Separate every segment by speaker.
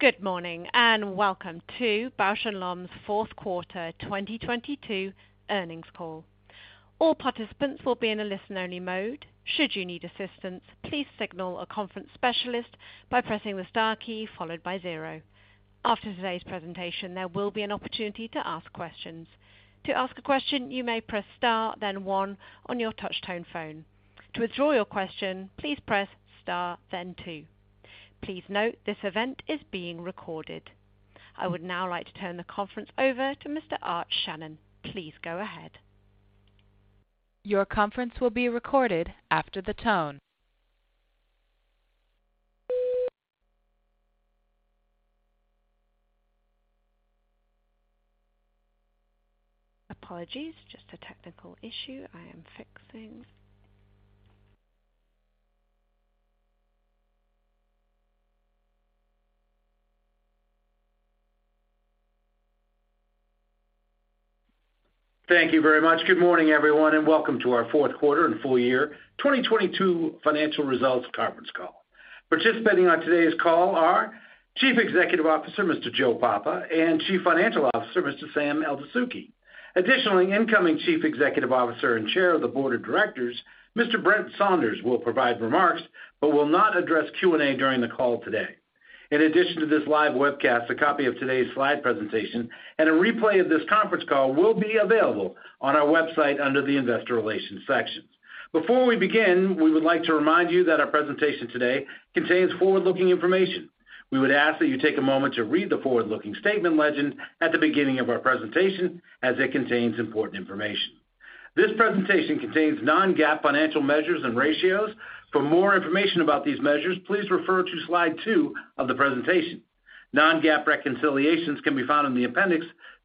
Speaker 1: Good morning, welcome to Bausch + Lomb's fourth quarter 2022 earnings call. All participants will be in a listen-only mode. Should you need assistance, please signal a conference specialist by pressing the star key followed by 0. After today's presentation, there will be an opportunity to ask questions. To ask a question, you may press star, then one on your touchtone phone. To withdraw your question, please press star, then two. Please note, this event is being recorded. I would now like to turn the conference over to Mr. Arthur Shannon. Please go ahead.
Speaker 2: Your conference will be recorded after the tone.
Speaker 1: Apologies. Just a technical issue I am fixing.
Speaker 3: Thank you very much. Good morning, everyone, welcome to our fourth quarter and full year 2022 financial results conference call. Participating on today's call are Chief Executive Officer, Mr. Joe Papa, and Chief Financial Officer, Mr. Sam Eldessouky. Additionally, incoming Chief Executive Officer and Chair of the Board of Directors, Mr. Brent Saunders, will provide remarks but will not address Q&A during the call today. In addition to this live webcast, a copy of today's slide presentation and a replay of this conference call will be available on our website under the investor relations sections. Before we begin, we would like to remind you that our presentation today contains forward-looking information. We would ask that you take a moment to read the forward-looking statement legend at the beginning of our presentation as it contains important information. This presentation contains non-GAAP financial measures and ratios. For more information about these measures, please refer to slide two of the presentation. Non-GAAP reconciliations can be found in the appendix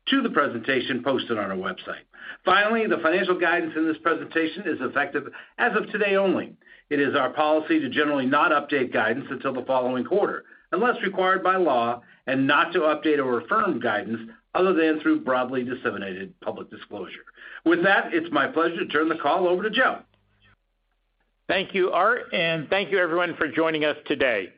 Speaker 3: to the presentation posted on our website. Finally, the financial guidance in this presentation is effective as of today only. It is our policy to generally not update guidance until the following quarter, unless required by law, and not to update or affirm guidance other than through broadly disseminated public disclosure. With that, it's my pleasure to turn the call over to Joe.
Speaker 2: Thank you, Art. Thank you everyone for joining us today.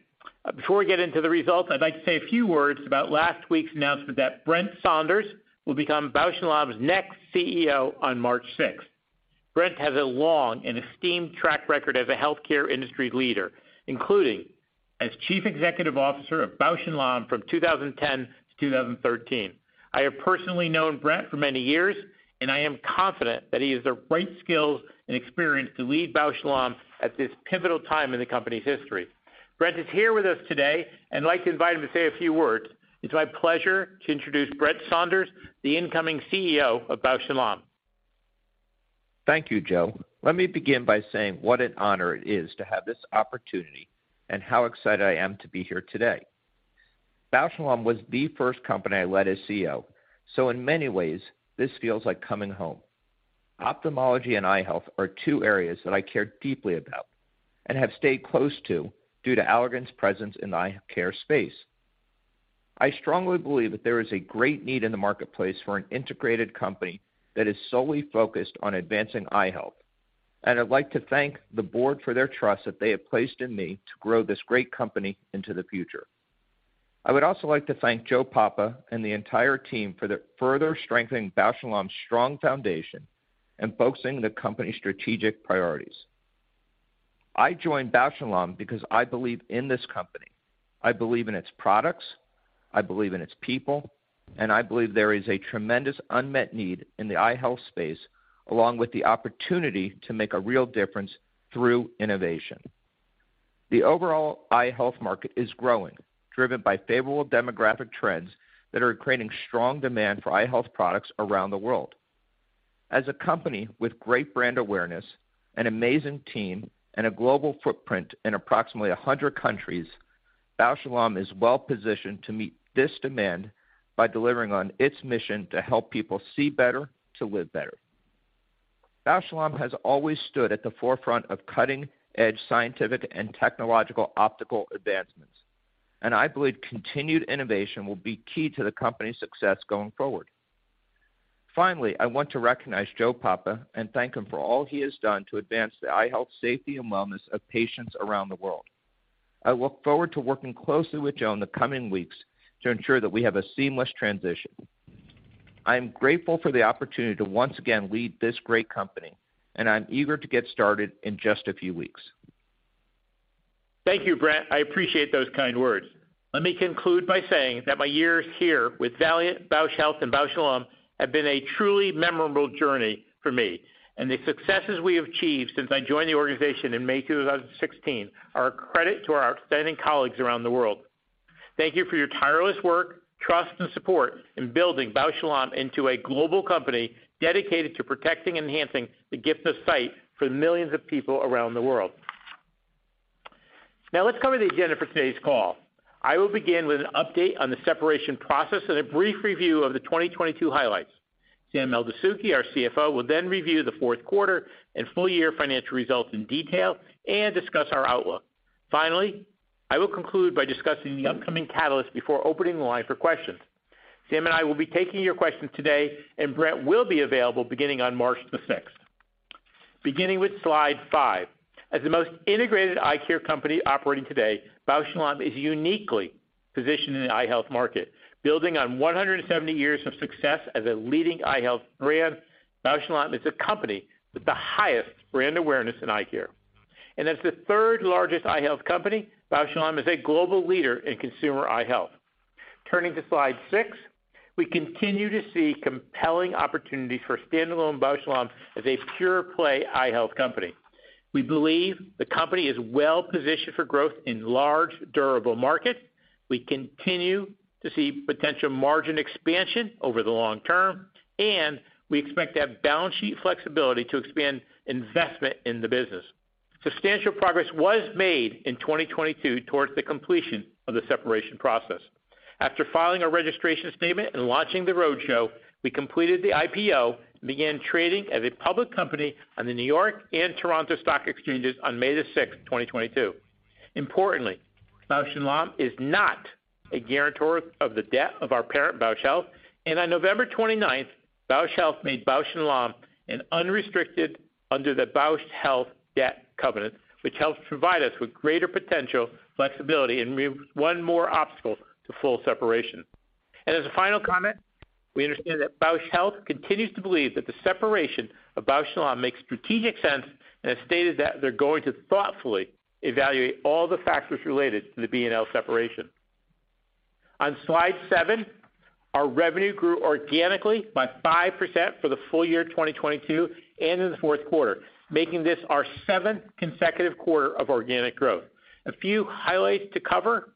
Speaker 2: Before we get into the results, I'd like to say a few words about last week's announcement that Brent Saunders will become Bausch + Lomb's next CEO on March sixth. Brent has a long and esteemed track record as a healthcare industry leader, including as Chief Executive Officer of Bausch + Lomb from 2010 to 2013. I have personally known Brent for many years. I am confident that he has the right skills and experience to lead Bausch + Lomb at this pivotal time in the company's history. Brent is here with us today. I'd like to invite him to say a few words. It's my pleasure to introduce Brent Saunders, the incoming CEO of Bausch + Lomb.
Speaker 4: Thank you, Joe. Let me begin by saying what an honor it is to have this opportunity and how excited I am to be here today. Bausch + Lomb was the first company I led as CEO, so in many ways this feels like coming home. Ophthalmology and eye health are two areas that I care deeply about and have stayed close to, due to Allergan's presence in the eye care space. I strongly believe that there is a great need in the marketplace for an integrated company that is solely focused on advancing eye health. I'd like to thank the board for their trust that they have placed in me to grow this great company into the future. I would also like to thank Joe Papa and the entire team for further strengthening Bausch + Lomb's strong foundation and focusing the company's strategic priorities. I joined Bausch + Lomb because I believe in this company. I believe in its products, I believe in its people, and I believe there is a tremendous unmet need in the eye health space, along with the opportunity to make a real difference through innovation. The overall eye health market is growing, driven by favorable demographic trends that are creating strong demand for eye health products around the world. As a company with great brand awareness, an amazing team, and a global footprint in approximately 100 countries, Bausch + Lomb is well positioned to meet this demand by delivering on its mission to help people see better to live better. Bausch + Lomb has always stood at the forefront of cutting-edge scientific and technological optical advancements, and I believe continued innovation will be key to the company's success going forward. Finally, I want to recognize Joe Papa and thank him for all he has done to advance the eye health, safety and wellness of patients around the world. I look forward to working closely with Joe in the coming weeks to ensure that we have a seamless transition. I am grateful for the opportunity to once again lead this great company, and I'm eager to get started in just a few weeks.
Speaker 2: Thank you, Brent. I appreciate those kind words. Let me conclude by saying that my years here with Valeant, Bausch Health and Bausch + Lomb have been a truly memorable journey for me, and the successes we have achieved since I joined the organization in May 2016 are a credit to our outstanding colleagues around the world. Thank you for your tireless work, trust and support in building Bausch + Lomb into a global company dedicated to protecting and enhancing the gift of sight for millions of people around the world. Let's cover the agenda for today's call. I will begin with an update on the separation process and a brief review of the 2022 highlights. Sam Eldessouky, our CFO, will then review the fourth quarter and full year financial results in detail and discuss our outlook. Finally, I will conclude by discussing the upcoming catalysts before opening the line for questions. Sam and I will be taking your questions today, and Brent will be available beginning on March the sixth. Beginning with slide five. As the most integrated eye care company operating today, Bausch + Lomb is uniquely positioned in the eye health market. Building on 170 years of success as a leading eye health brand, Bausch + Lomb is a company with the highest brand awareness in eye care. As the third-largest eye health company, Bausch + Lomb is a global leader in consumer eye health. Turning to slide six. We continue to see compelling opportunities for standalone Bausch + Lomb as a pure play eye health company. We believe the company is well-positioned for growth in large durable markets. We continue to see potential margin expansion over the long term, and we expect to have balance sheet flexibility to expand investment in the business. Substantial progress was made in 2022 towards the completion of the separation process. After filing a registration statement and launching the roadshow, we completed the IPO and began trading as a public company on the New York and Toronto Stock Exchanges on May 6, 2022. Importantly, Bausch + Lomb is not a guarantor of the debt of our parent, Bausch Health. On November 29, Bausch Health made Bausch + Lomb an unrestricted under the Bausch Health debt covenant, which helps provide us with greater potential flexibility and one more obstacle to full separation. As a final comment, we understand that Bausch Health continues to believe that the separation of Bausch + Lomb makes strategic sense, and has stated that they're going to thoughtfully evaluate all the factors related to the B+L separation. On slide seven, our revenue grew organically by 5% for the full year 2022 and in the fourth quarter, making this our seventh consecutive quarter of organic growth. A few highlights to cover.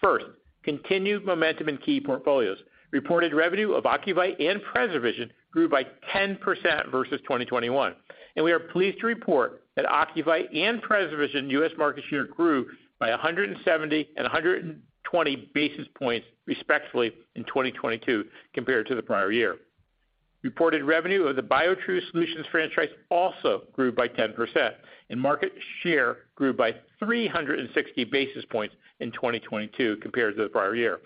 Speaker 2: First, continued momentum in key portfolios. Reported revenue of Ocuvite and PreserVision grew by 10% versus 2021. We are pleased to report that Ocuvite and PreserVision U.S. market share grew by 170 and 120 basis points, respectively, in 2022 compared to the prior year. Reported revenue of the Biotrue Solutions franchise also grew by 10%, and market share grew by 360 basis points in 2022 compared to the prior year.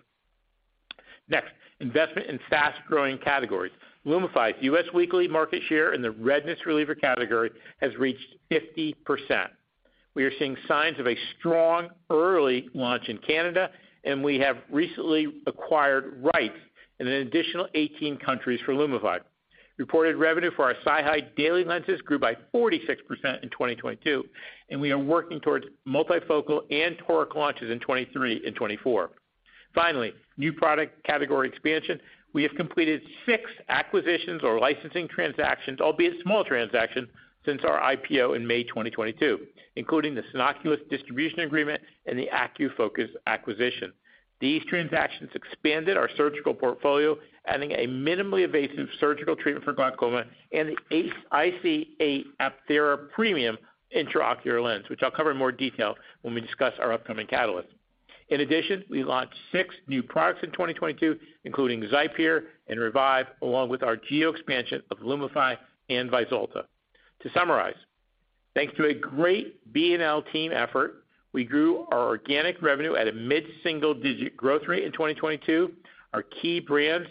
Speaker 2: Next, investment in fast-growing categories. LUMIFY's U.S. weekly market share in the redness reliever category has reached 50%. We are seeing signs of a strong early launch in Canada, and we have recently acquired rights in an additional 18 countries for LUMIFY. Reported revenue for our daily SiHy lenses grew by 46% in 2022, and we are working towards multifocal and toric launches in 2023 and 2024. Finally, new product category expansion. We have completed six acquisitions or licensing transactions, albeit small transactions, since our IPO in May 2022, including the Sanoculis distribution agreement and the AcuFocus acquisition. These transactions expanded our surgical portfolio, adding a minimally invasive surgical treatment for glaucoma and the IC-8 Apthera Premium intraocular lens, which I'll cover in more detail when we discuss our upcoming catalyst. We launched six new products in 2022, including XIPERE and Revive, along with our geo expansion of LUMIFY and VYZULTA. To summarize, thanks to a great B+L team effort, we grew our organic revenue at a mid-single digit growth rate in 2022. Our key brands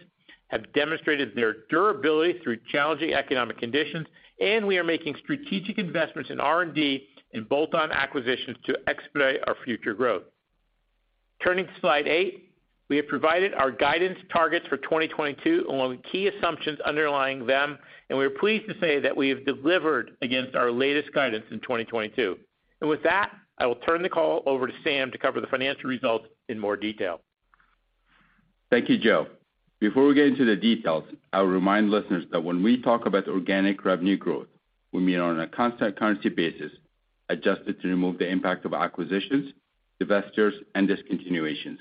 Speaker 2: have demonstrated their durability through challenging economic conditions, and we are making strategic investments in R&D and bolt-on acquisitions to expedite our future growth. Turning to slide eight. We have provided our guidance targets for 2022 along with key assumptions underlying them, and we are pleased to say that we have delivered against our latest guidance in 2022. With that, I will turn the call over to Sam to cover the financial results in more detail.
Speaker 5: Thank you, Joe. Before we get into the details, I'll remind listeners that when we talk about organic revenue growth, we mean on a constant currency basis, adjusted to remove the impact of acquisitions, divestitures, and discontinuations.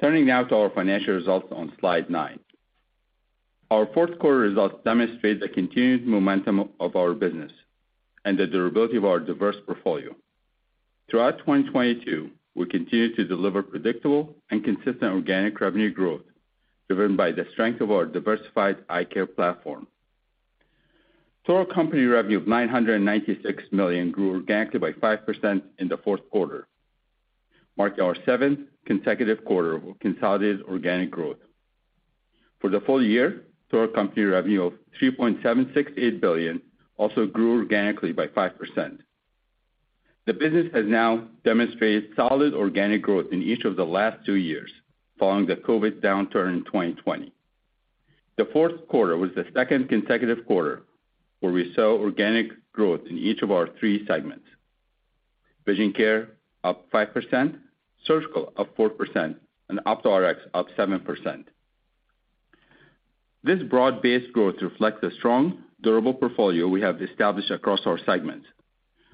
Speaker 5: Turning now to our financial results on slide nine. Our fourth quarter results demonstrate the continued momentum of our business and the durability of our diverse portfolio. Throughout 2022, we continued to deliver predictable and consistent organic revenue growth, driven by the strength of our diversified eye care platform. Total company revenue of $996 million grew organically by 5% in the fourth quarter, marking our seventh consecutive quarter of consolidated organic growth. For the full year, total company revenue of $3.768 billion also grew organically by 5%. The business has now demonstrated solid organic growth in each of the last two years following the COVID downturn in 2020. The fourth quarter was the second consecutive quarter where we saw organic growth in each of our three segments. Vision care up 5%, surgical up 4%, and Opto Rx up 7%. This broad-based growth reflects the strong, durable portfolio we have established across our segments,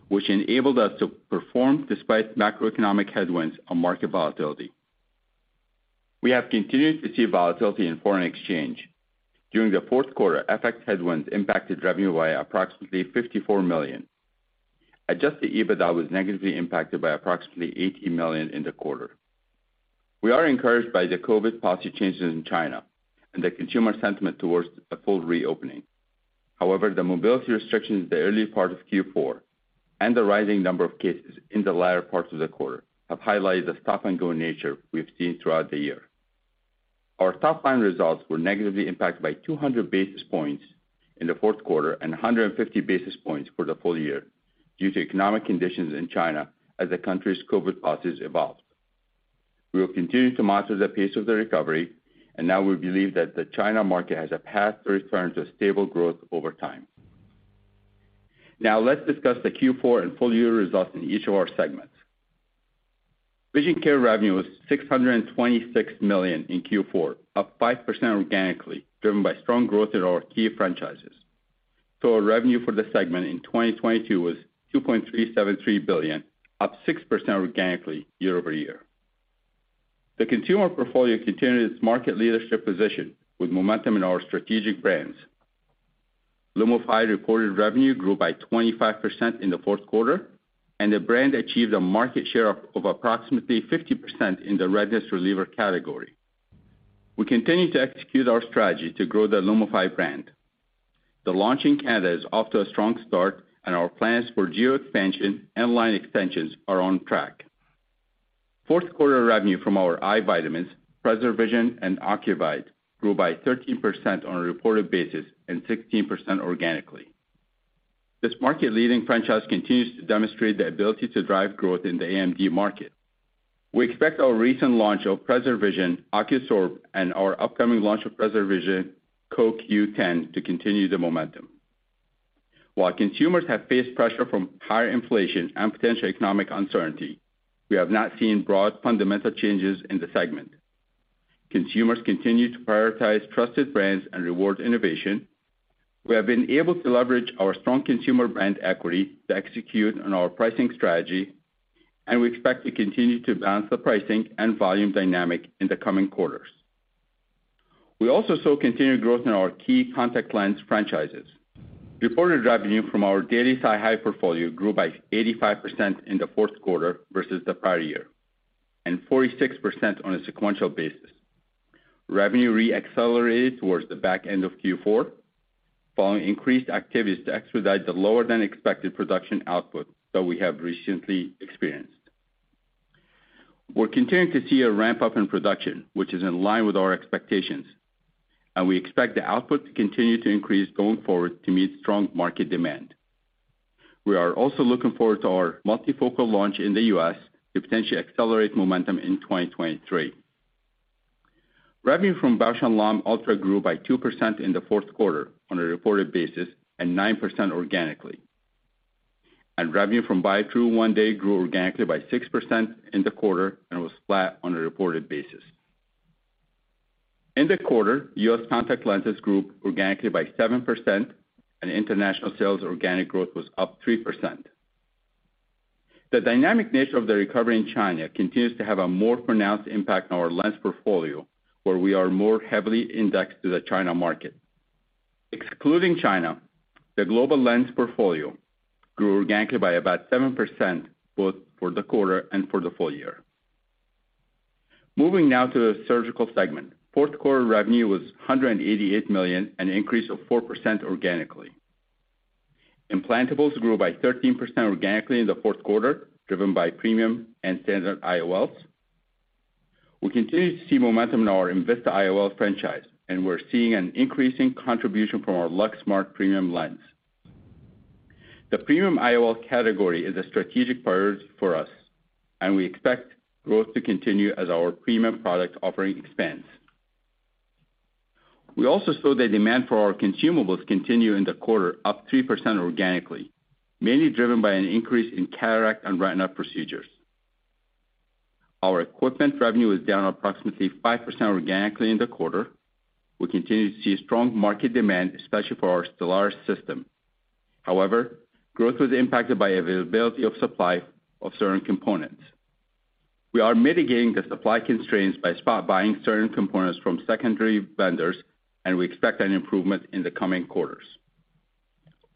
Speaker 5: which enabled us to perform despite macroeconomic headwinds and market volatility. We have continued to see volatility in foreign exchange. During the fourth quarter, FX headwinds impacted revenue by approximately $54 million. Adjusted EBITDA was negatively impacted by approximately $80 million in the quarter. We are encouraged by the COVID policy changes in China and the consumer sentiment towards a full reopening. The mobility restrictions in the early part of Q4 and the rising number of cases in the latter parts of the quarter have highlighted the stop-and-go nature we've seen throughout the year. Our top line results were negatively impacted by 200 basis points in the fourth quarter and 150 basis points for the full year due to economic conditions in China as the country's COVID policies evolved. Now we believe that the China market has a path to return to a stable growth over time. Let's discuss the Q4 and full year results in each of our segments. Vision care revenue was $626 million in Q4, up 5% organically, driven by strong growth in our key franchises. Total revenue for the segment in 2022 was $2.373 billion, up 6% organically year-over-year. The consumer portfolio continued its market leadership position with momentum in our strategic brands. LUMIFY reported revenue grew by 25% in the fourth quarter, the brand achieved a market share of approximately 50% in the redness reliever category. We continue to execute our strategy to grow the LUMIFY brand. The launch in Canada is off to a strong start our plans for geo expansion and line extensions are on track. Fourth quarter revenue from our eye vitamins, PreserVision and Ocuvite, grew by 13% on a reported basis and 16% organically. This market-leading franchise continues to demonstrate the ability to drive growth in the AMD market. We expect our recent launch of PreserVision OCUSorb and our upcoming launch of PreserVision CoQ10 to continue the momentum. While consumers have faced pressure from higher inflation and potential economic uncertainty, we have not seen broad fundamental changes in the segment. Consumers continue to prioritize trusted brands and reward innovation. We have been able to leverage our strong consumer brand equity to execute on our pricing strategy, and we expect to continue to balance the pricing and volume dynamic in the coming quarters. We also saw continued growth in our key contact lens franchises. Reported revenue from our daily SiHy portfolio grew by 85% in the fourth quarter versus the prior year, and 46% on a sequential basis. Revenue re-accelerated towards the back end of Q4 following increased activities to expedite the lower than expected production output that we have recently experienced. We're continuing to see a ramp-up in production, which is in line with our expectations, and we expect the output to continue to increase going forward to meet strong market demand. We are also looking forward to our multifocal launch in the U.S. to potentially accelerate momentum in 2023. Revenue from Bausch + Lomb ULTRA grew by 2% in the fourth quarter on a reported basis, 9% organically. Revenue from Biotrue ONEday grew organically by 6% in the quarter and was flat on a reported basis. In the quarter, U.S. contact lenses grew organically by 7% and international sales organic growth was up 3%. The dynamic nature of the recovery in China continues to have a more pronounced impact on our lens portfolio, where we are more heavily indexed to the China market. Excluding China, the global lens portfolio grew organically by about 7% both for the quarter and for the full year. Moving now to the surgical segment. Fourth quarter revenue was $188 million, an increase of 4% organically. Implantables grew by 13% organically in the fourth quarter, driven by premium and standard IOLs. We continue to see momentum in our enVista IOL franchise, and we're seeing an increasing contribution from our LuxSmart premium lens. The premium IOL category is a strategic priority for us, and we expect growth to continue as our premium product offering expands. We also saw the demand for our consumables continue in the quarter, up 3% organically, mainly driven by an increase in cataract and retina procedures. Our equipment revenue was down approximately 5% organically in the quarter. We continue to see strong market demand, especially for our Stellaris system. Growth was impacted by availability of supply of certain components. We are mitigating the supply constraints by spot buying certain components from secondary vendors, we expect an improvement in the coming quarters.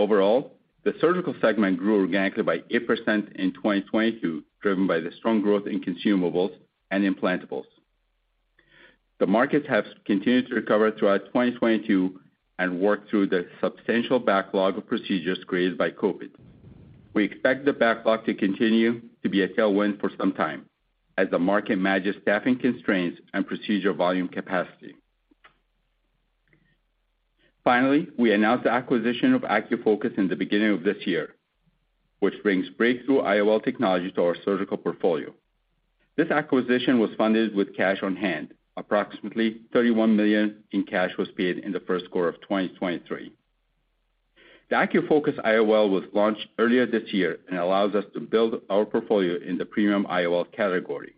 Speaker 5: Overall, the surgical segment grew organically by 8% in 2022, driven by the strong growth in consumables and implantables. The markets have continued to recover throughout 2022 and work through the substantial backlog of procedures created by COVID. We expect the backlog to continue to be a tailwind for some time as the market manages staffing constraints and procedural volume capacity. We announced the acquisition of AcuFocus in the beginning of this year, which brings breakthrough IOL technology to our surgical portfolio. This acquisition was funded with cash on hand. Approximately $31 million in cash was paid in the first quarter of 2023. The AcuFocus IOL was launched earlier this year and allows us to build our portfolio in the premium IOL category.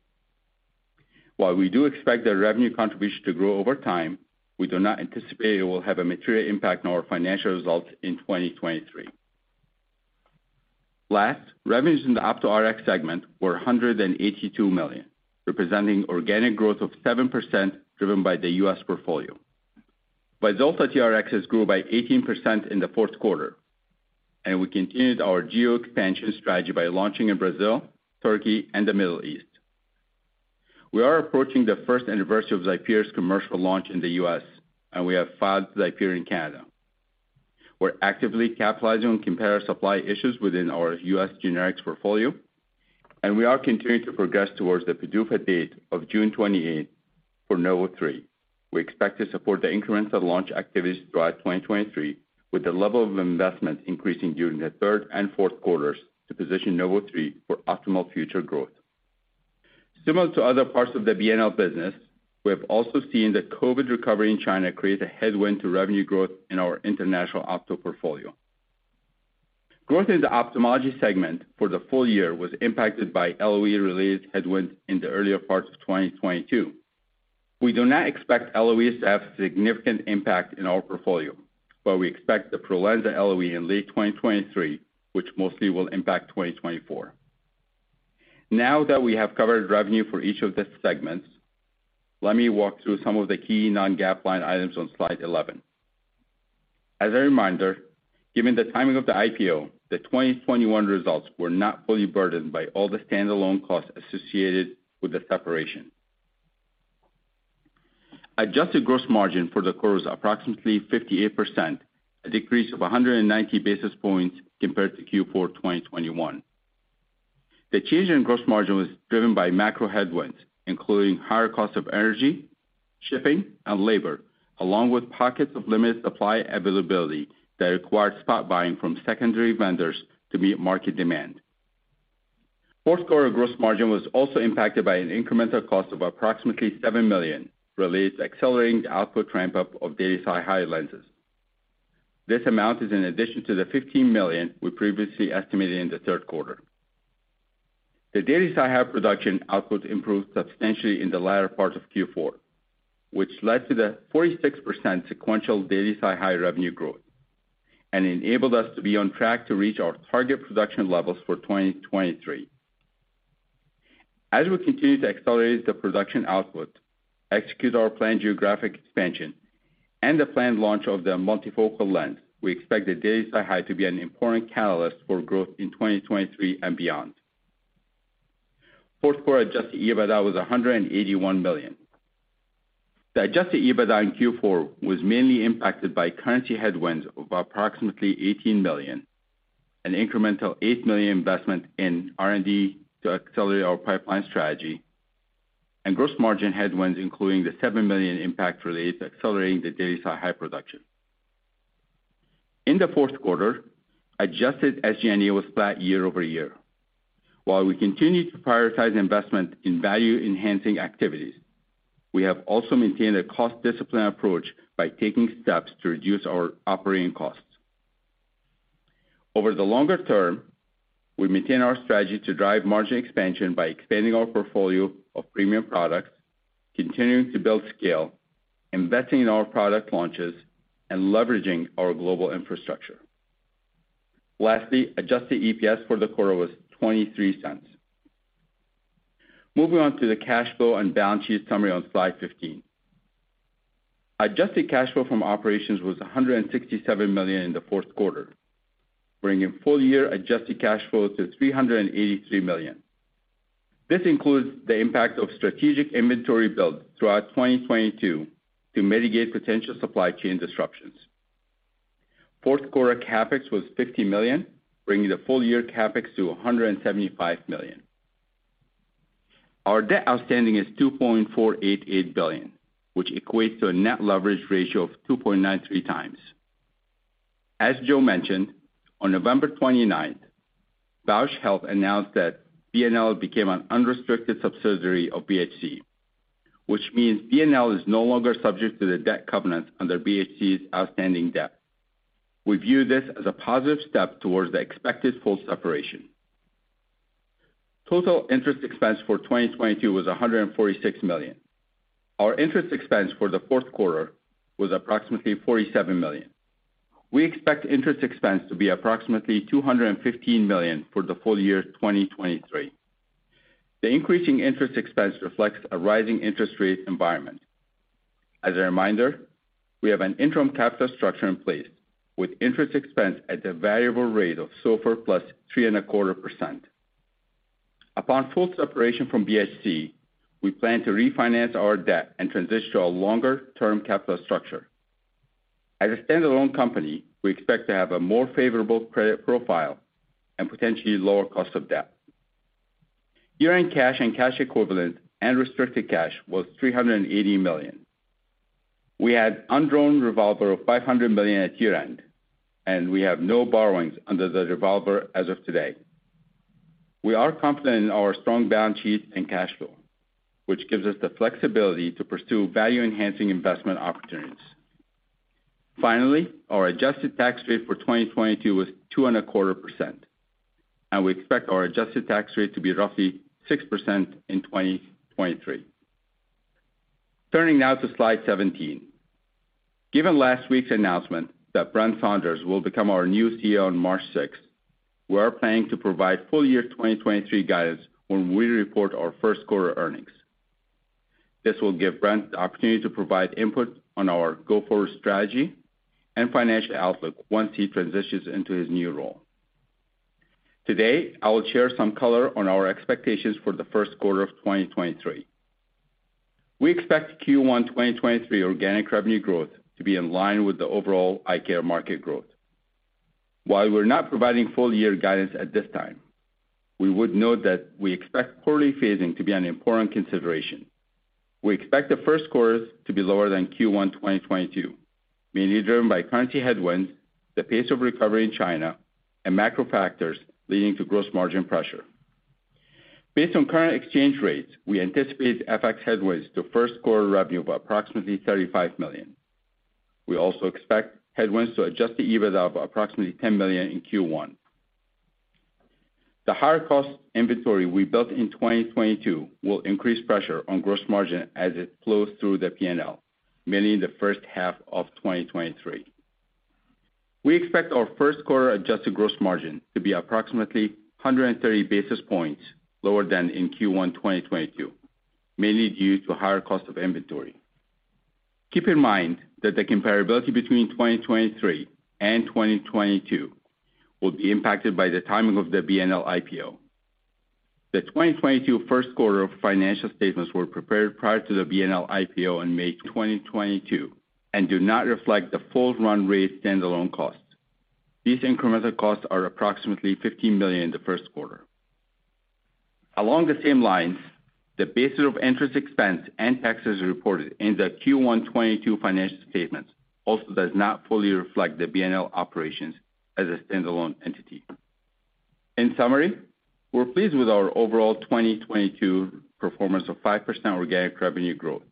Speaker 5: While we do expect the revenue contribution to grow over time, we do not anticipate it will have a material impact on our financial results in 2023. Last, revenues in the Opto Rx segment were $182 million, representing organic growth of 7% driven by the U.S. portfolio. VYZULTA TRx has grew by 18% in the fourth quarter. We continued our geo-expansion strategy by launching in Brazil, Turkey, and the Middle East. We are approaching the first anniversary of XIPERE's commercial launch in the U.S. We have filed XIPERE in Canada. We're actively capitalizing on competitor supply issues within our U.S. generics portfolio. We are continuing to progress towards the PDUFA date of June 28th for NOV03. We expect to support the incremental launch activities throughout 2023, with the level of investment increasing during the third and fourth quarters to position NOV03 for optimal future growth. Similar to other parts of the B&L business, we have also seen the COVID recovery in China create a headwind to revenue growth in our international opto portfolio. Growth in the ophthalmology segment for the full year was impacted by LOE-related headwinds in the earlier parts of 2022. We do not expect LOEs to have significant impact in our portfolio. We expect the PROLENSA LOE in late 2023, which mostly will impact 2024. Now that we have covered revenue for each of these segments, let me walk through some of the key non-GAAP line items on slide 11. As a reminder, given the timing of the IPO, the 2021 results were not fully burdened by all the standalone costs associated with the separation. Adjusted gross margin for the quarter was approximately 58%, a decrease of 190 basis points compared to Q4 2021. The change in gross margin was driven by macro headwinds, including higher costs of energy, shipping, and labor, along with pockets of limited supply availability that required spot buying from secondary vendors to meet market demand. Fourth quarter gross margin was also impacted by an incremental cost of approximately $7 million related to accelerating the output ramp-up of daily SiHy lenses. This amount is in addition to the $15 million we previously estimated in the third quarter. The daily SiHy production output improved substantially in the latter part of Q4, which led to the 46% sequential daily SiHy revenue growth and enabled us to be on track to reach our target production levels for 2023. As we continue to accelerate the production output, execute our planned geographic expansion, and the planned launch of the multifocal lens, we expect the daily SiHy to be an important catalyst for growth in 2023 and beyond. Fourth quarter adjusted EBITDA was $181 million. The adjusted EBITDA in Q4 was mainly impacted by currency headwinds of approximately $18 million, an incremental $8 million investment in R&D to accelerate our pipeline strategy, and gross margin headwinds, including the $7 million impact related to accelerating the daily SiHy production. In the fourth quarter, adjusted SG&A was flat year-over-year. While we continue to prioritize investment in value-enhancing activities, we have also maintained a cost discipline approach by taking steps to reduce our operating costs. Over the longer term, we maintain our strategy to drive margin expansion by expanding our portfolio of premium products, continuing to build scale, investing in our product launches, and leveraging our global infrastructure. Lastly, adjusted EPS for the quarter was $0.23. Moving on to the cash flow and balance sheet summary on slide 15. Adjusted cash flow from operations was $167 million in the fourth quarter, bringing full year adjusted cash flow to $383 million. This includes the impact of strategic inventory build throughout 2022 to mitigate potential supply chain disruptions. Fourth quarter CapEx was $50 million, bringing the full year CapEx to $175 million. Our debt outstanding is $2.488 billion, which equates to a net leverage ratio of 2.93 times. As Joe mentioned, on November 29th, Bausch Health announced that BLCO became an unrestricted subsidiary of BHC, which means BLCO is no longer subject to the debt covenants under BHC's outstanding debt. We view this as a positive step towards the expected full separation. Total interest expense for 2022 was $146 million. Our interest expense for the fourth quarter was approximately $47 million. We expect interest expense to be approximately $215 million for the full year 2023. The increasing interest expense reflects a rising interest rate environment. As a reminder, we have an interim capital structure in place, with interest expense at the variable rate of SOFR plus 3.25%. Upon full separation from BHC, we plan to refinance our debt and transition to a longer-term capital structure. As a standalone company, we expect to have a more favorable credit profile and potentially lower cost of debt. Year-end cash and cash equivalent and restricted cash was $380 million. We had undrawn revolver of $500 million at year-end, and we have no borrowings under the revolver as of today. We are confident in our strong balance sheet and cash flow, which gives us the flexibility to pursue value-enhancing investment opportunities. Finally, our adjusted tax rate for 2022 was 2.25%, and we expect our adjusted tax rate to be roughly 6% in 2023. Turning now to slide 17. Given last week's announcement that Brent Saunders will become our new CEO on March 6th, we are planning to provide full year 2023 guidance when we report our 1st quarter earnings. This will give Brent the opportunity to provide input on our go-forward strategy and financial outlook once he transitions into his new role. Today, I will share some color on our expectations for the 1st quarter of 2023. We expect Q1 2023 organic revenue growth to be in line with the overall eye care market growth. While we're not providing full-year guidance at this time, we would note that we expect quarterly phasing to be an important consideration. We expect the first quarter to be lower than Q1 2022, mainly driven by currency headwinds, the pace of recovery in China, and macro factors leading to gross margin pressure. Based on current exchange rates, we anticipate FX headwinds to first quarter revenue of approximately $35 million. We also expect headwinds to adjusted EBITDA of approximately $10 million in Q1. The higher cost inventory we built in 2022 will increase pressure on gross margin as it flows through the P&L, mainly in the first half of 2023. We expect our first quarter adjusted gross margin to be approximately 130 basis points lower than in Q1 2022, mainly due to higher cost of inventory. Keep in mind that the comparability between 2023 and 2022 will be impacted by the timing of the B&L IPO. The 2022 first quarter financial statements were prepared prior to the B&L IPO in May 2022 and do not reflect the full run rate standalone cost. These incremental costs are approximately $15 million in the first quarter. Along the same lines, the basis of interest expense and taxes reported in the Q1 2022 financial statements also does not fully reflect the B&L operations as a standalone entity. In summary, we're pleased with our overall 2022 performance of 5% organic revenue growth,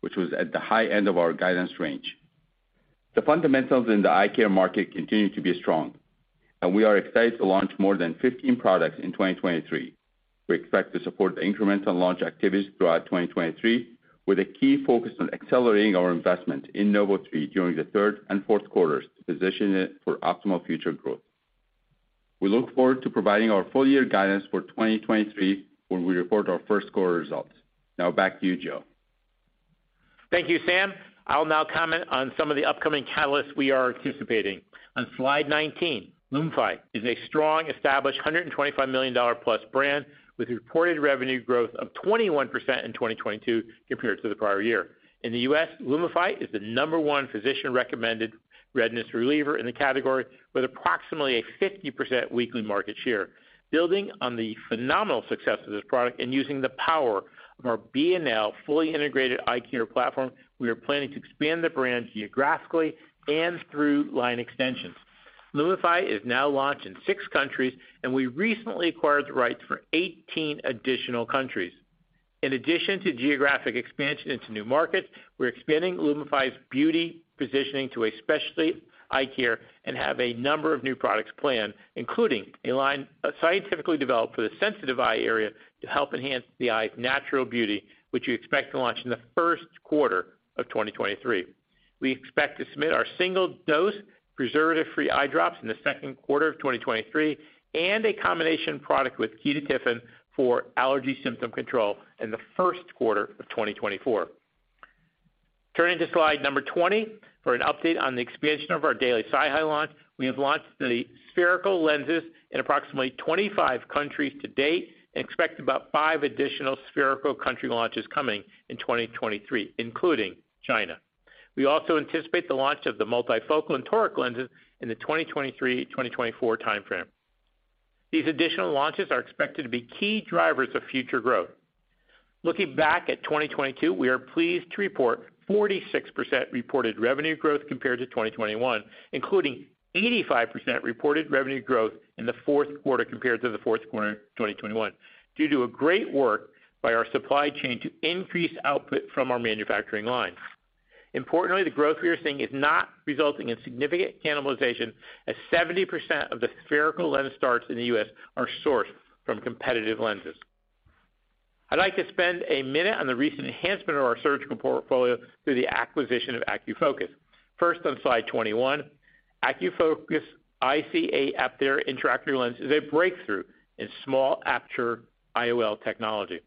Speaker 5: which was at the high end of our guidance range. The fundamentals in the eye care market continue to be strong, and we are excited to launch more than 15 products in 2023. We expect to support the incremental launch activities throughout 2023, with a key focus on accelerating our investment in NOV03 during the third and fourth quarters to position it for optimal future growth. We look forward to providing our full year guidance for 2023 when we report our first quarter results. Now back to you, Joe.
Speaker 2: Thank you, Sam. I'll now comment on some of the upcoming catalysts we are anticipating. On slide 19, LUMIFY is a strong, established $125 million-plus brand with reported revenue growth of 21% in 2022 compared to the prior year. In the U.S., LUMIFY is the number one physician-recommended redness reliever in the category with approximately a 50% weekly market share. Building on the phenomenal success of this product and using the power of our B&L fully integrated eye care platform, we are planning to expand the brand geographically and through line extensions. LUMIFY is now launched in six countries, and we recently acquired the rights for 18 additional countries. In addition to geographic expansion into new markets, we're expanding LUMIFY's beauty positioning to a specialty eye care and have a number of new products planned, including a line, scientifically developed for the sensitive eye area to help enhance the eye's natural beauty, which we expect to launch in the first quarter of 2023. We expect to submit our single-dose preservative-free eye drops in the second quarter of 2023 and a combination product with Ketotifen for allergy symptom control in the first quarter of 2024. Turning to slide number 20 for an update on the expansion of our daily SiHy launch. We have launched the spherical lenses in approximately 25 countries to date and expect about five additional spherical country launches coming in 2023, including China. We also anticipate the launch of the multifocal and toric lenses in the 2023, 2024 timeframe. These additional launches are expected to be key drivers of future growth. Looking back at 2022, we are pleased to report 46% reported revenue growth compared to 2021, including 85% reported revenue growth in the fourth quarter compared to the fourth quarter of 2021, due to a great work by our supply chain to increase output from our manufacturing lines. Importantly, the growth we are seeing is not resulting in significant cannibalization as 70% of the spherical lens starts in the U.S. are sourced from competitive lenses. I'd like to spend a minute on the recent enhancement of our surgical portfolio through the acquisition of AcuFocus. First, on slide 21, AcuFocus IC-8 Apthera intraocular lens is a breakthrough in small aperture IOL technology.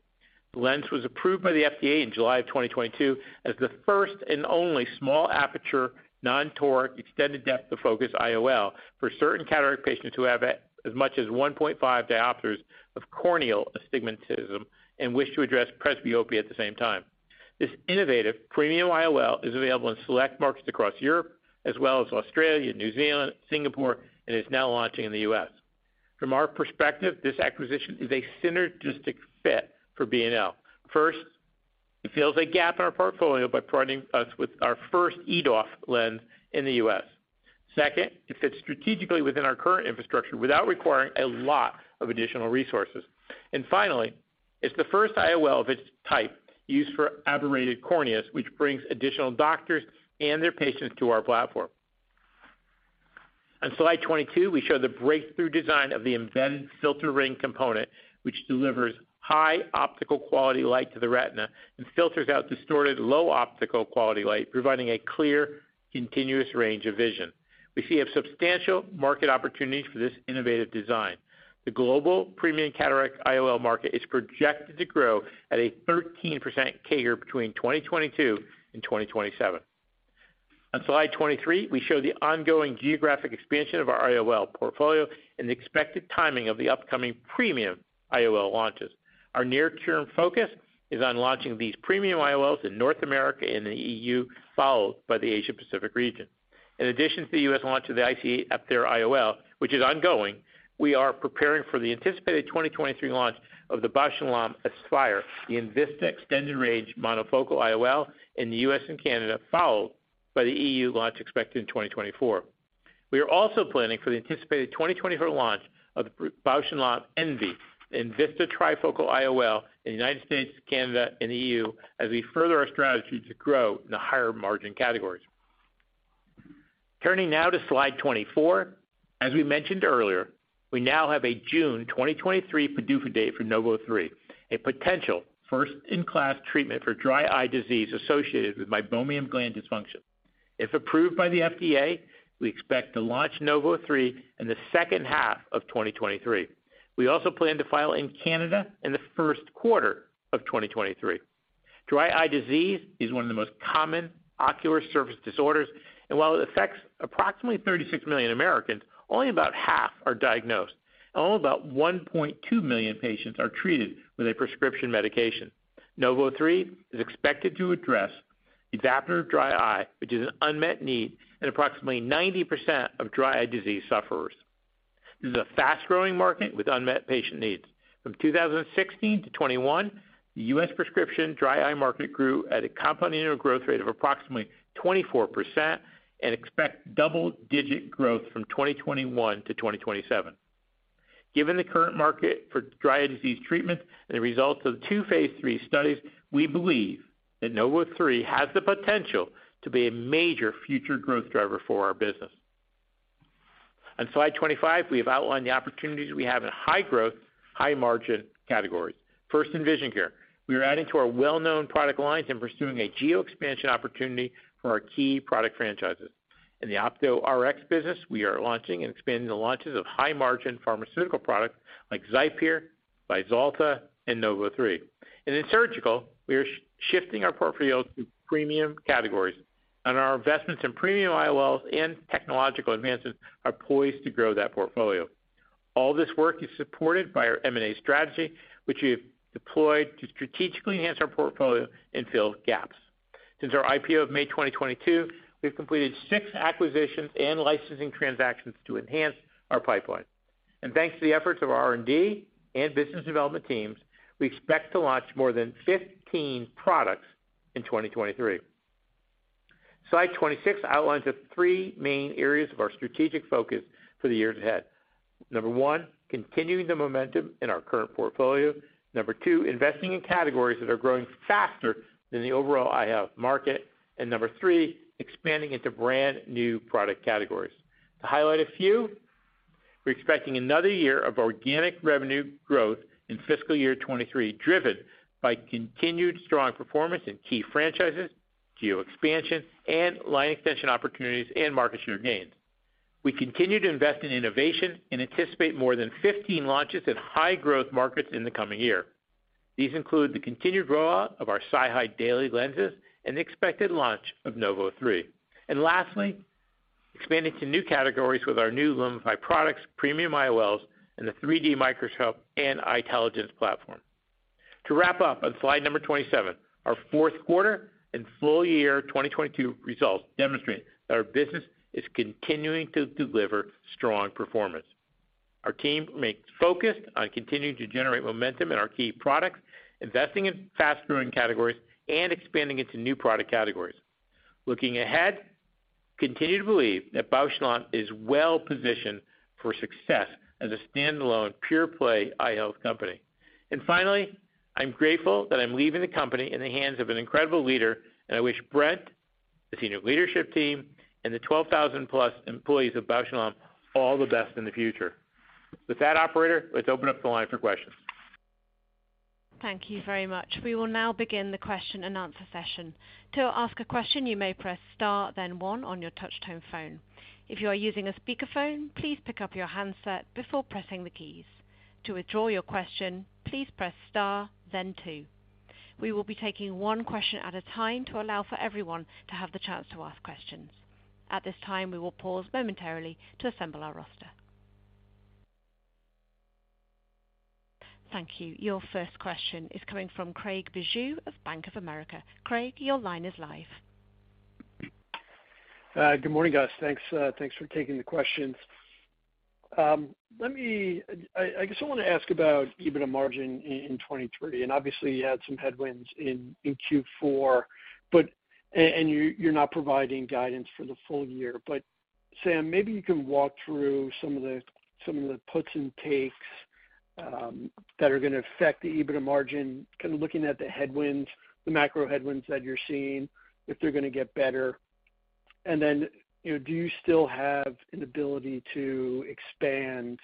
Speaker 2: The lens was approved by the FDA in July of 2022 as the first and only small aperture, non-toric, extended depth of focus IOL for certain cataract patients who have as much as 1.5 diopters of corneal astigmatism and wish to address presbyopia at the same time. This innovative premium IOL is available in select markets across Europe, as well as Australia, New Zealand, Singapore, and is now launching in the US. From our perspective, this acquisition is a synergistic fit for B&L. First, it fills a gap in our portfolio by providing us with our first EDOF lens in the US. Second, it fits strategically within our current infrastructure without requiring a lot of additional resources. Finally, it's the first IOL of its type used for aberrated corneas, which brings additional doctors and their patients to our platform. On slide 22, we show the breakthrough design of the invented filter ring component, which delivers high optical quality light to the retina and filters out distorted low optical quality light, providing a clear, continuous range of vision. We see a substantial market opportunity for this innovative design. The global premium cataract IOL market is projected to grow at a 13% CAGR between 2022 and 2027. On slide 23, we show the ongoing geographic expansion of our IOL portfolio and the expected timing of the upcoming premium IOL launches. Our near-term focus is on launching these premium IOLs in North America and the EU, followed by the Asia Pacific region. In addition to the US launch of the IC-8 Apthera IOL, which is ongoing, we are preparing for the anticipated 2023 launch of the Bausch + Lomb Aspire, the enVista extended range monofocal IOL in the US and Canada, followed by the EU launch expected in 2024. We are also planning for the anticipated 2024 launch of Bausch + Lomb enVista trifocal IOL in the United States, Canada and the EU as we further our strategy to grow in the higher margin categories. Turning now to slide 24. As we mentioned earlier, we now have a June 2023 PDUFA date for NOV03, a potential first in class treatment for dry eye disease associated with meibomian gland dysfunction. If approved by the FDA, we expect to launch NOV03 in the second half of 2023. We also plan to file in Canada in the first quarter of 2023. Dry eye disease is one of the most common ocular surface disorders. While it affects approximately 36 million Americans, only about half are diagnosed, and only about 1.2 million patients are treated with a prescription medication. NOV03 is expected to address evaporative dry eye, which is an unmet need in approximately 90% of dry eye disease sufferers. This is a fast-growing market with unmet patient needs. From 2016-2021, the U.S. prescription dry eye market grew at a compounding annual growth rate of approximately 24% and expect double-digit growth from 2021-2027. Given the current market for dry eye disease treatment and the results of the two phase III studies, we believe that NOV03 has the potential to be a major future growth driver for our business. On slide 25, we have outlined the opportunities we have in high growth, high margin categories. First, in Vision Care. We are adding to our well-known product lines and pursuing a geo-expansion opportunity for our key product franchises. In the Opto Rx business, we are launching and expanding the launches of high margin pharmaceutical products like XIPERE, VYZULTA and NOV03. In Surgical, we are shifting our portfolio to premium categories and our investments in premium IOLs and technological advances are poised to grow that portfolio. All this work is supported by our M&A strategy, which we have deployed to strategically enhance our portfolio and fill gaps. Since our IPO of May 2022, we've completed six acquisitions and licensing transactions to enhance our pipeline. Thanks to the efforts of our R&D and business development teams, we expect to launch more than 15 products in 2023. Slide 26 outlines the three main areas of our strategic focus for the years ahead. Number one, continuing the momentum in our current portfolio. Number two, investing in categories that are growing faster than the overall eye health market. Number three, expanding into brand new product categories. To highlight a few, we're expecting another year of organic revenue growth in fiscal year 2023, driven by continued strong performance in key franchises, geo expansion and line extension opportunities and market share gains. We continue to invest in innovation and anticipate more than 15 launches in high growth markets in the coming year. These include the continued rollout of our SiHy daily lenses and the expected launch of NOV03. Lastly, expanding to new categories with our new LUMIFY products, premium IOLs, and the 3D microscope and Eyetelligence platform. To wrap up on slide number 27, our fourth quarter and full year 2022 results demonstrate that our business is continuing to deliver strong performance. Our team remains focused on continuing to generate momentum in our key products, investing in fast-growing categories and expanding into new product categories. Looking ahead, continue to believe that Bausch + Lomb is well positioned for success as a standalone pure play eye health company. Finally, I'm grateful that I'm leaving the company in the hands of an incredible leader, and I wish Brent, the senior leadership team, and the 12,000 plus employees of Bausch + Lomb all the best in the future. With that, operator, let's open up the line for questions.
Speaker 1: Thank you very much. We will now begin the question and answer session. To ask a question, you may press star then one on your touchtone phone. If you are using a speakerphone, please pick up your handset before pressing the keys. To withdraw your question, please press star then two. We will be taking one question at a time to allow for everyone to have the chance to ask questions. At this time, we will pause momentarily to assemble our roster. Thank you. Your first question is coming from Craig Bijou of Bank of America. Craig, your line is live.
Speaker 2: Good morning, guys. Thanks, thanks for taking the questions. I guess I want to ask about EBITDA margin in 2023. Obviously you had some headwinds in Q4, you're not providing guidance for the full year. Sam, maybe you can walk through some of the puts and takes that are gonna affect the EBITDA margin, kind of looking at the headwinds, the macro headwinds that you're seeing, if they're gonna get better. You know, do you still have an ability to expand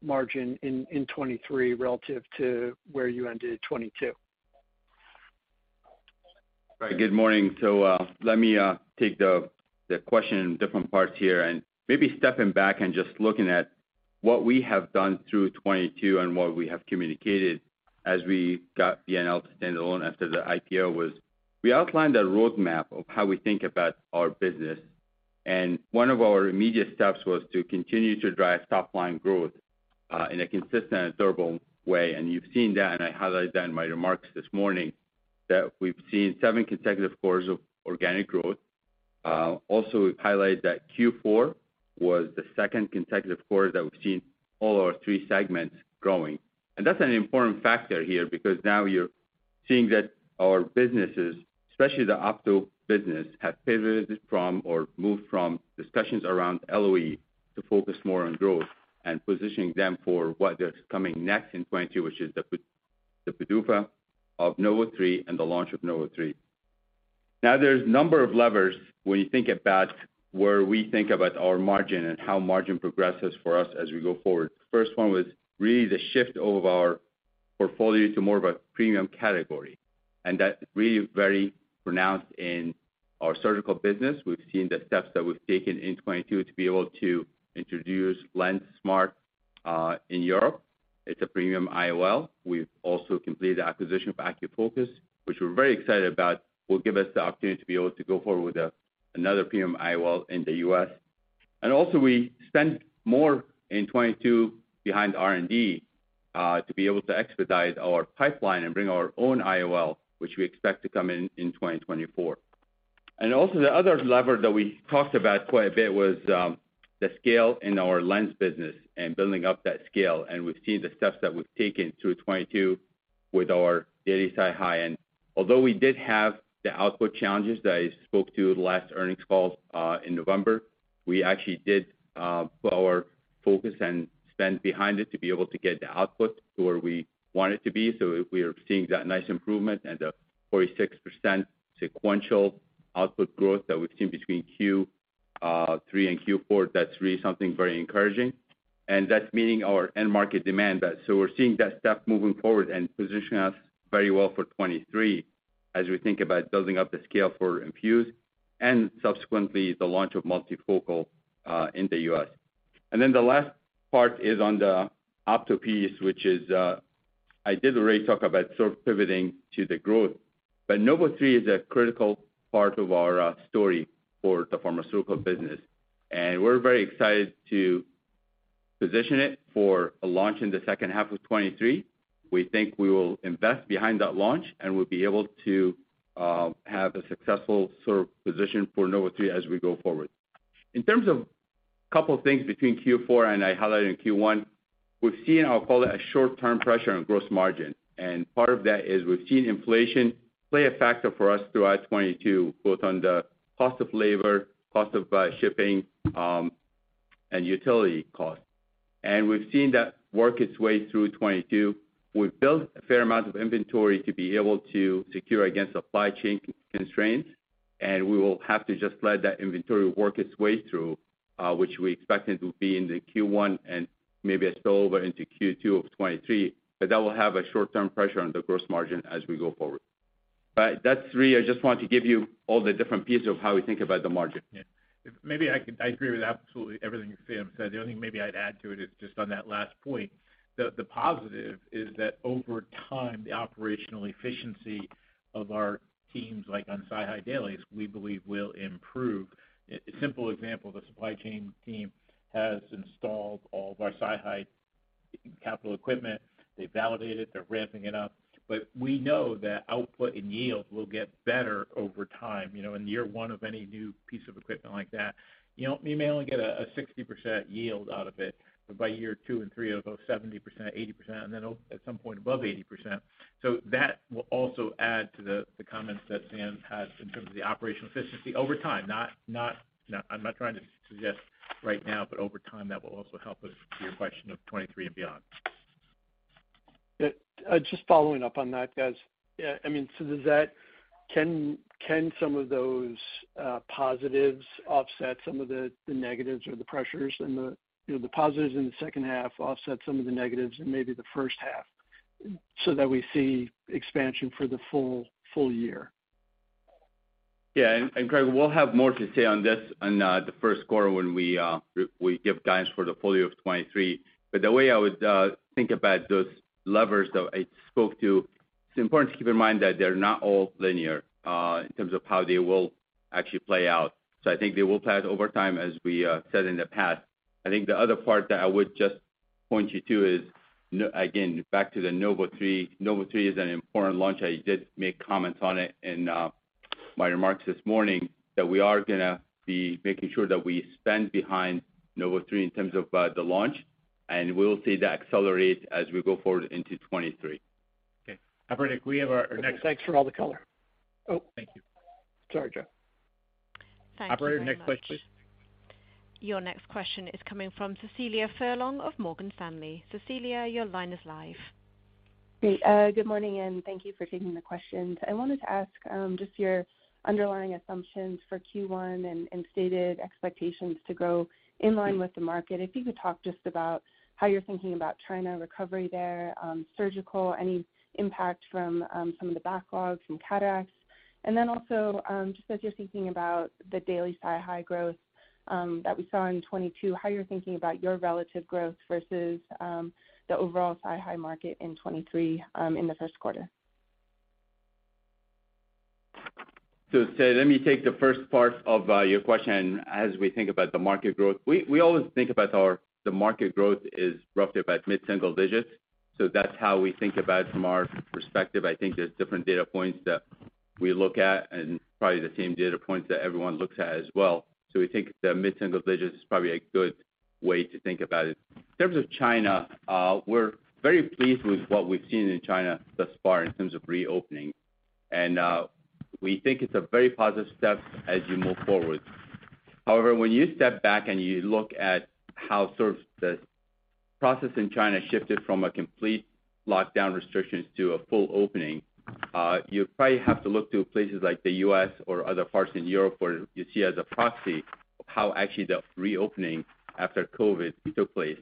Speaker 2: margin in 23 relative to where you ended 22?
Speaker 5: Right. Good morning. Let me take the question in different parts here and maybe stepping back and just looking at what we have done through 2022 and what we have communicated as we got BHC to stand alone after the IPO was we outlined a roadmap of how we think about our business. One of our immediate steps was to continue to drive top line growth in a consistent and durable way. You've seen that, and I highlighted that in my remarks this morning, that we've seen seven consecutive quarters of organic growth. Also we've highlighted that Q4 was the second consecutive quarter that we've seen all our three segments growing. That's an important factor here because now you're seeing that our businesses, especially the Opto business, have pivoted from or moved from discussions around LOE to focus more on growth and positioning them for what is coming next in 22, which is the PDUFA of NOV03 and the launch of NOV03. There's a number of levers when you think about where we think about our margin and how margin progresses for us as we go forward. First one was really the shift of our portfolio to more of a premium category. That is really very pronounced in our surgical business. We've seen the steps that we've taken in 22 to be able to introduce LuxSmart in Europe. It's a premium IOL. We've also completed the acquisition of AcuFocus, which we're very excited about, will give us the opportunity to be able to go forward with another premium IOL in the U.S. We spent more in 2022 behind R&D to be able to expedite our pipeline and bring our own IOL, which we expect to come in 2024. The other lever that we talked about quite a bit was the scale in our lens business and building up that scale. We've seen the steps that we've taken through 2022 with our daily SiHy end. Although we did have the output challenges that I spoke to the last earnings call in November, we actually did put our focus and spend behind it to be able to get the output to where we want it to be. We are seeing that nice improvement and a 46% sequential output growth that we've seen between Q3 and Q4. That's really something very encouraging. That's meeting our end market demand. We're seeing that step moving forward and position us very well for 2023 as we think about building up the scale for INFUSE and subsequently the launch of multifocal in the U.S. The last part is on the Opto Rx piece, which is, I did already talk about sort of pivoting to the growth, but NOV03 is a critical part of our story for the pharmaceutical business, and we're very excited to position it for a launch in the second half of 2023. We think we will invest behind that launch, and we'll be able to have a successful sort of position for NOV03 as we go forward. In terms of a couple of things between Q4, and I highlighted in Q1, we've seen, I'll call it, a short-term pressure on gross margin. Part of that is we've seen inflation play a factor for us throughout 2022, both on the cost of labor, cost of shipping, and utility costs. We've seen that work its way through 2022. We've built a fair amount of inventory to be able to secure against supply chain constraints, and we will have to just let that inventory work its way through, which we expect it will be into Q1 and maybe a spillover into Q2 of 2023. That will have a short-term pressure on the gross margin as we go forward. That's really, I just wanted to give you all the different pieces of how we think about the margin.
Speaker 2: Yeah. Maybe I agree with absolutely everything Sam said. The only thing maybe I'd add to it is just on that last point. The positive is that over time, the operational efficiency of our teams, like on SiHy dailies, we believe will improve. A simple example, the supply chain team has installed all of our SiHy capital equipment. They validate it. They're ramping it up. We know that output and yield will get better over time. You know, in year one of any new piece of equipment like that, you know, you may only get a 60% yield out of it. By year two and three, it'll go 70%-80%, and then at some point above 80%. That will also add to the comments that Sam had in terms of the operational efficiency over time. I'm not trying to suggest right now, but over time, that will also help us with your question of 2023 and beyond.
Speaker 5: Yeah.
Speaker 6: Just following up on that, guys. I mean, Can some of those positives offset some of the negatives or the pressures and the positives in the second half offset some of the negatives in maybe the first half that we see expansion for the full year?
Speaker 5: Yeah. And, Craig, we'll have more to say on this on the first quarter when we give guidance for the full year of 2023. The way I would think about those levers that I spoke to, it's important to keep in mind that they're not all linear in terms of how they will actually play out. I think they will play out over time, as we said in the past. I think the other part that I would just point you to is, again, back to the NOV03. NOV03 is an important launch. I did make comments on it in my remarks this morning that we are gonna be making sure that we spend behind NOV03 in terms of the launch, and we'll see that accelerate as we go forward into 2023.
Speaker 2: Okay. Operator, can we have our next.
Speaker 7: Thanks for all the color.
Speaker 2: Oh, thank you.
Speaker 7: Sorry, Joe.
Speaker 2: Operator, next question.
Speaker 5: Thank you very much.
Speaker 1: Your next question is coming from Cecilia Furlong of Morgan Stanley. Cecilia, your line is live.
Speaker 8: Great. Good morning, and thank thank you for taking the questions. I wanted to ask, just your underlying assumptions for Q1 and stated expectations to grow in line with the market. If you could talk just about how you're thinking about China recovery there, surgical, any impact from some of the backlogs from cataracts. Also, just as you're thinking about the daily SiHy growth that we saw in 2022, how you're thinking about your relative growth versus the overall SiHy market in 2023, in the first quarter.
Speaker 5: Let me take the first part of your question. As we think about the market growth, we always think about the market growth is roughly about mid-single digits. That's how we think about it from our perspective. I think there's different data points that we look at and probably the same data points that everyone looks at as well. We think the mid-single digits is probably a good way to think about it. In terms of China, we're very pleased with what we've seen in China thus far in terms of reopening. We think it's a very positive step as you move forward. However, when you step back and you look at how sort of the process in China shifted from a complete lockdown restrictions to a full opening, you probably have to look to places like the U.S. or other parts in Europe where you see as a proxy of how actually the reopening after COVID took place.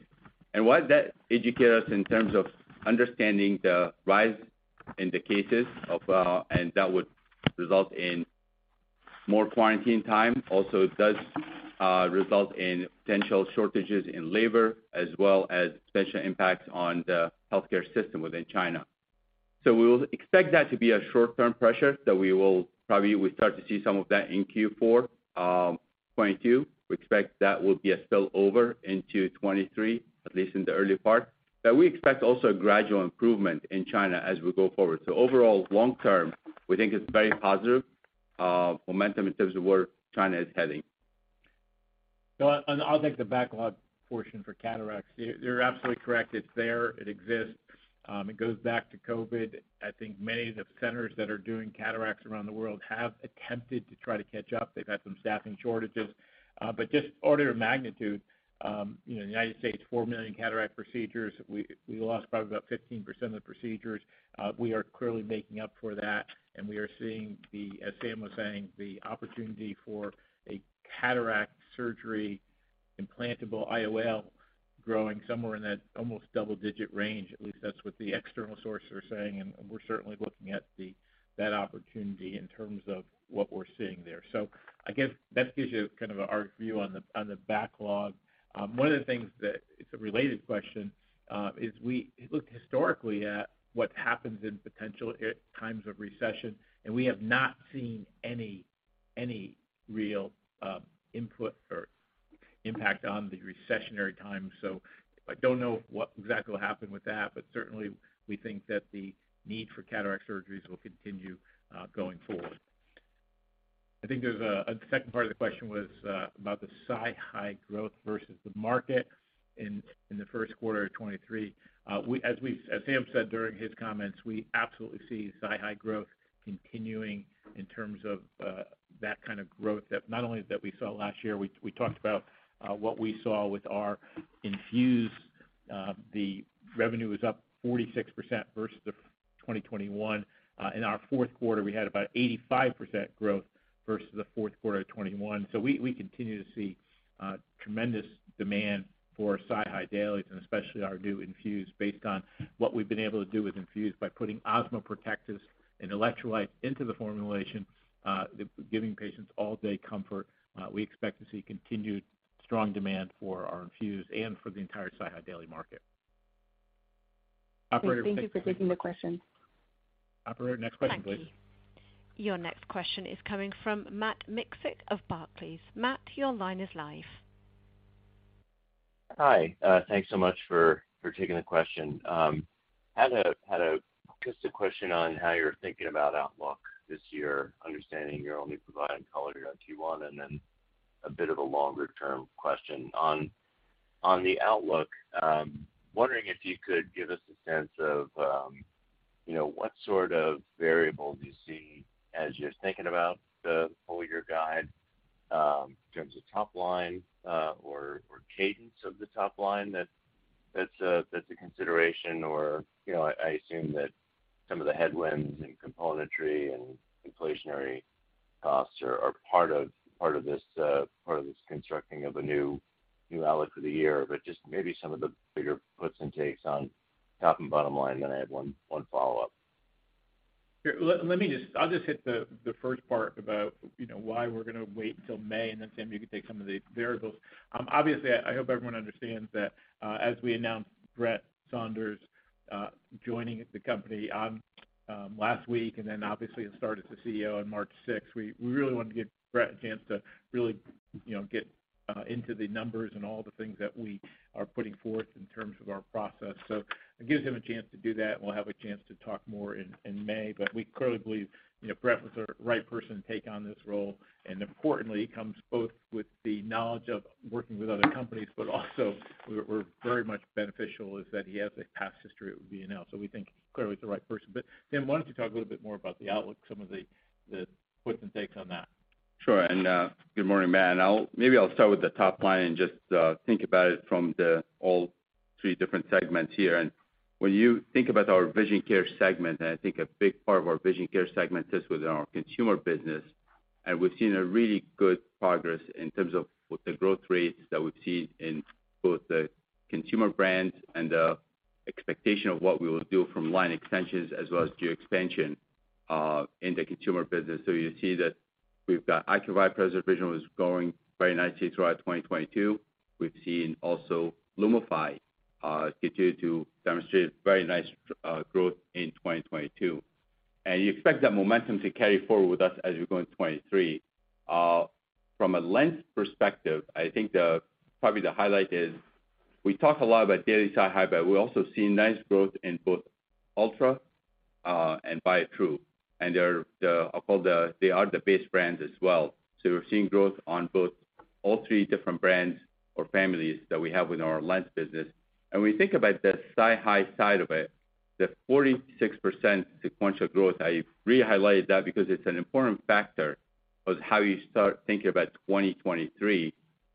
Speaker 5: What that educate us in terms of understanding the rise in the cases of, and that would result in more quarantine time. Also, it does result in potential shortages in labor, as well as potential impacts on the healthcare system within China. We will expect that to be a short-term pressure that we will probably start to see some of that in Q4 2022. We expect that will be a spillover into 2023, at least in the early part. We expect also a gradual improvement in China as we go forward. Overall, long term, we think it's very positive, momentum in terms of where China is heading.
Speaker 2: No, I'll take the backlog portion for cataracts. You're absolutely correct. It's there, it exists. It goes back to COVID. I think many of the centers that are doing cataracts around the world have attempted to try to catch up. They've had some staffing shortages. But just order of magnitude, you know, United States, $4 million cataract procedures. We lost probably about 15% of the procedures. We are clearly making up for that, and we are seeing the, as Sam was saying, the opportunity for a cataract surgery implantable IOL growing somewhere in that almost double digit range. At least that's what the external sources are saying, and we're certainly looking at that opportunity in terms of what we're seeing there. I guess that gives you kind of our view on the, on the backlog. One of the things that, it's a related question, is we looked historically at what happens in potential times of recession, we have not seen any real input or impact on the recessionary time. I don't know what exactly will happen with that, certainly we think that the need for cataract surgeries will continue going forward. I think the second part of the question was about the SiHy growth versus the market in the first quarter of 23. As Sam said during his comments, we absolutely see SiHy growth continuing in terms of that kind of growth that not only that we saw last year, we talked about what we saw with our INFUSE. The revenue was up 46% versus the 2021. In our fourth quarter, we had about 85% growth versus the fourth quarter of 2021. We continue to see tremendous demand for SiHy dailies, and especially our new INFUSE based on what we've been able to do with INFUSE by putting osmoprotectants and electrolytes into the formulation, giving patients all-day comfort. We expect to see continued strong demand for our INFUSE and for the entire SiHy daily market. Operator, next question.
Speaker 8: Thank you for taking the question.
Speaker 2: Operator, next question, please.
Speaker 1: Thank you. Your next question is coming from Matt Miksic of Barclays. Matt, your line is live.
Speaker 9: Hi. Thanks so much for taking the question. Had a just a question on how you're thinking about outlook this year, understanding you're only providing color here on Q1, and then a bit of a longer-term question. On the outlook, wondering if you could give us a sense of, you know, what sort of variables you see as you're thinking about the full year guide, in terms of top line, or cadence of the top line that's a consideration or, you know, I assume that some of the headwinds and componentry and inflationary costs are part of this constructing of a new outlook for the year. Just maybe some of the bigger puts and takes on top and bottom line, then I have one follow-up.
Speaker 2: Sure. Let me just hit the first part about, you know, why we're gonna wait till May, and then Sam, you can take some of the variables. Obviously, I hope everyone understands that as we announced Brent Saunders joining the company on last week, and then obviously his start as the CEO on March sixth, we really wanted to give Brent a chance to really, you know, get into the numbers and all the things that we are putting forth in terms of our process. It gives him a chance to do that, and we'll have a chance to talk more in May. We clearly believe, you know, Brent was the right person to take on this role. Importantly, he comes both with the knowledge of working with other companies, but also we're very much beneficial is that he has a past history with B&L. We think he's clearly the right person. Sam, why don't you talk a little bit more about the outlook, some of the puts and takes on that.
Speaker 5: Sure. Good morning, Matt. Maybe I'll start with the top line and just think about it from the all three different segments here. When you think about our vision care segment, and I think a big part of our vision care segment is within our consumer business, and we've seen a really good progress in terms of with the growth rates that we've seen in both the consumer brands and the expectation of what we will do from line extensions as well as geo expansion. In the consumer business. You see that we've got ACUVUE OASYS with Transitions was growing very nicely throughout 2022. We've seen also LUMIFY continue to demonstrate very nice growth in 2022. You expect that momentum to carry forward with us as we go in 2023. From a lens perspective, I think probably the highlight is we talk a lot about daily SiHy but we also see nice growth in both ULTRA and Biotrue. They are the base brands as well. We're seeing growth on both all three different brands or families that we have in our lens business. When you think about the SiHy side of it, the 46% sequential growth, I re-highlight that because it's an important factor of how you start thinking about 2023,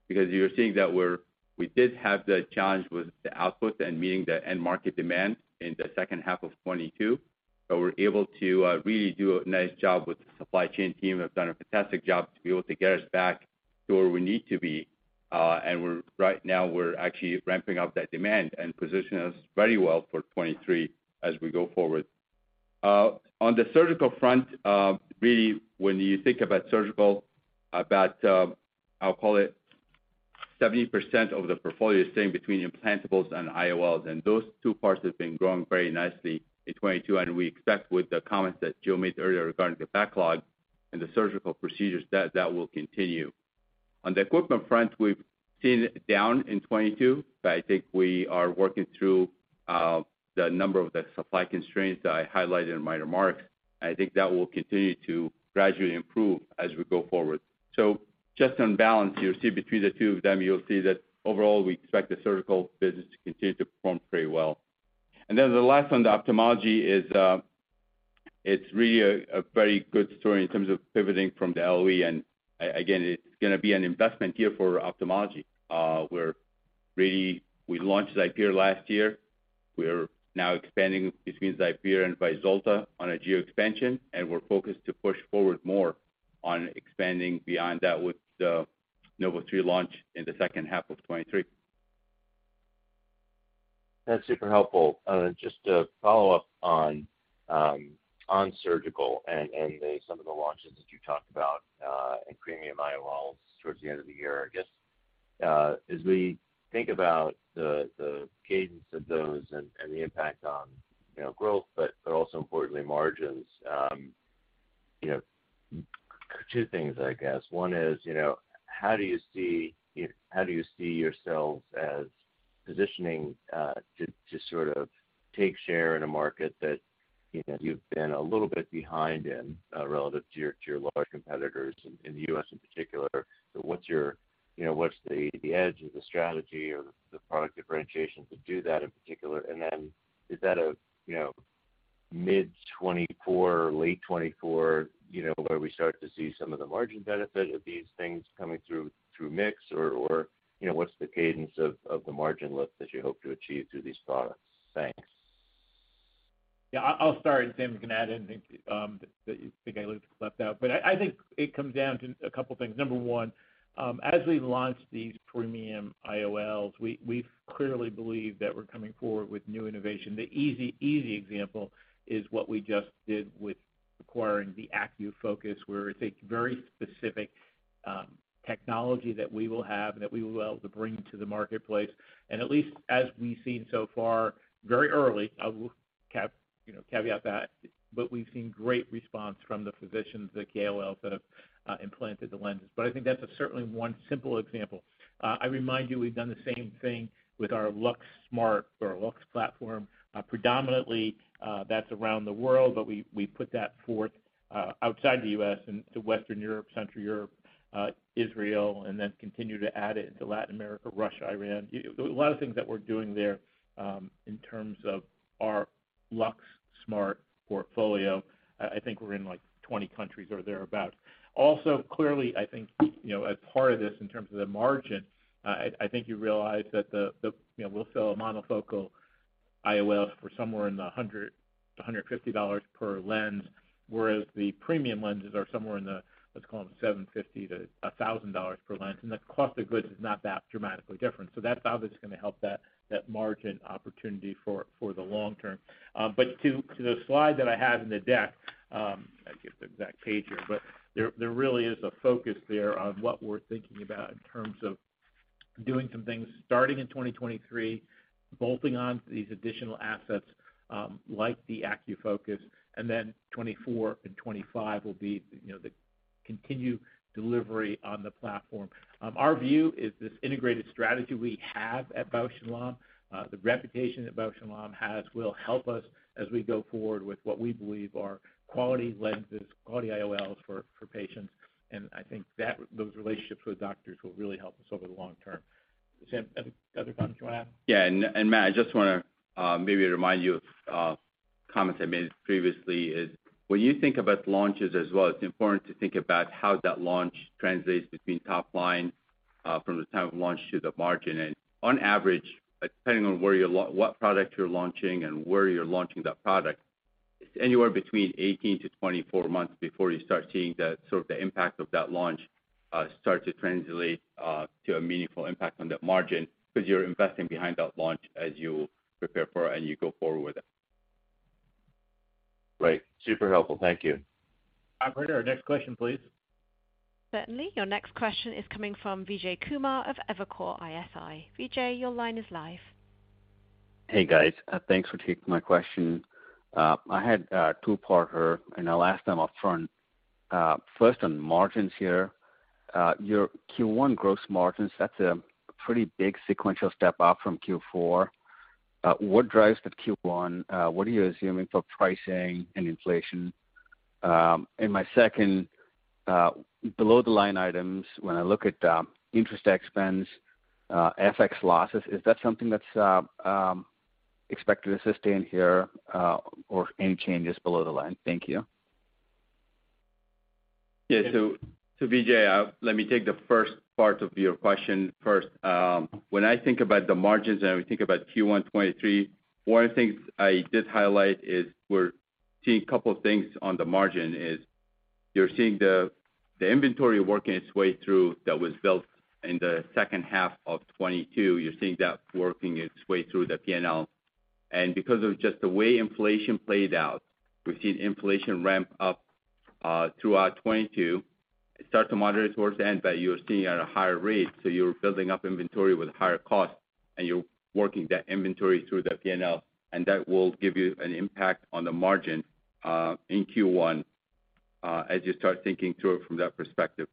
Speaker 5: because you're seeing that we did have the challenge with the output and meeting the end market demand in the second half of 2022. We're able to really do a nice job with the supply chain team, have done a fantastic job to be able to get us back to where we need to be. Right now we're actually ramping up that demand and position us very well for 2023 as we go forward. On the surgical front, really, when you think about surgical, about, I'll call it 70% of the portfolio is staying between implantables and IOLs, and those two parts have been growing very nicely in 2022, and we expect with the comments that Joe made earlier regarding the backlog and the surgical procedures, that will continue. On the equipment front, we've seen it down in 2022, but I think we are working through the number of the supply constraints that I highlighted in my remarks. I think that will continue to gradually improve as we go forward. Just on balance, between the two of them, you'll see that overall, we expect the surgical business to continue to perform very well. The last one, the ophthalmology is, it's really a very good story in terms of pivoting from the LOE, again, it's gonna be an investment year for ophthalmology. We launched XIPERE last year. We're now expanding between XIPERE and VYZULTA on a geo expansion, and we're focused to push forward more on expanding beyond that with the NOV03 launch in the second half of 2023.
Speaker 9: That's super helpful. Just to follow up on surgical and the some of the launches that you talked about in premium IOLs towards the end of the year, I guess. As we think about the cadence of those and the impact on, you know, growth, but also importantly, margins, you know, two things, I guess. One is, you know, how do you see yourselves as positioning to sort of take share in a market that, you know, you've been a little bit behind in relative to your larger competitors in the U.S. in particular? What's your, you know, what's the edge or the strategy or the product differentiation to do that in particular? Is that a, you know, mid-2024, late 2024, you know, where we start to see some of the margin benefit of these things coming through mix? Or, you know, what's the cadence of the margin lift that you hope to achieve through these products? Thanks.
Speaker 2: Yeah. I'll start, and Sam, you can add anything that you think I left out. I think it comes down to a couple things. Number one, as we launch these premium IOLs, we clearly believe that we're coming forward with new innovation. The easy example is what we just did with acquiring the AcuFocus, where it's a very specific technology that we will have and that we will be able to bring to the marketplace. At least as we've seen so far, very early, I will you know, caveat that, we've seen great response from the physicians, the KOLs that have implanted the lenses. I think that's certainly one simple example. I remind you, we've done the same thing with our LuxSmart or Lux platform. Predominantly, that's around the world. We put that forth outside the US into Western Europe, Central Europe, Israel, and then continue to add it into Latin America, Russia, Iran. A lot of things that we're doing there, in terms of our LuxSmart portfolio. I think we're in, like, 20 countries or thereabout. Clearly, I think, you know, as part of this in terms of the margin, I think you realize that, you know, we'll sell a monofocal IOL for somewhere in the $100-$150 per lens, whereas the premium lenses are somewhere in the, let's call them $750-$1,000 per lens, and the cost of goods is not that dramatically different. That's obviously gonna help that margin opportunity for the long term. To the slide that I have in the deck, I forget the exact page here, there really is a focus there on what we're thinking about in terms of doing some things starting in 2023, bolting on these additional assets, like the AcuFocus. Then 2024 and 2025 will be, you know, the continued delivery on the platform. Our view is this integrated strategy we have at Bausch + Lomb, the reputation that Bausch + Lomb has will help us as we go forward with what we believe are quality lenses, quality IOLs for patients. I think those relationships with doctors will really help us over the long term. Sam, other comments you wanna add?
Speaker 5: Yeah. Matt, I just wanna maybe remind you of comments I made previously, is when you think about launches as well, it's important to think about how that launch translates between top line from the time of launch to the margin. On average, depending on where you're what product you're launching and where you're launching that product, it's anywhere between 18-24 months before you start seeing the sort of the impact of that launch start to translate to a meaningful impact on that margin 'cause you're investing behind that launch as you prepare for it and you go forward with it.
Speaker 2: Right. Super helpful. Thank you.
Speaker 9: Operator, next question, please.
Speaker 1: Certainly. Your next question is coming from Vijay Kumar of Evercore ISI. Vijay, your line is live.
Speaker 10: Hey, guys. thanks for taking my question. I had a two-parter, and I'll ask them upfront. first on margins here. Your Q1 gross margins, that's a pretty big sequential step-up from Q4. what drives the Q1? what are you assuming for pricing and inflation? My second, below-the-line items, when I look at interest expense, FX losses, is that something that's expected to sustain here, or any changes below the line? Thank you.
Speaker 5: Vijay, let me take the first part of your question first. When I think about the margins and we think about Q1 2023, one of the things I did highlight is we're seeing a couple things on the margin. You're seeing the inventory working its way through that was built in the second half of 2022. You're seeing that working its way through the P&L. Because of just the way inflation played out, we've seen inflation ramp up throughout 2022. It started to moderate towards the end, but you're seeing it at a higher rate, so you're building up inventory with higher costs, and you're working that inventory through the P&L. That will give you an impact on the margin in Q1 as you start thinking through it from that perspective.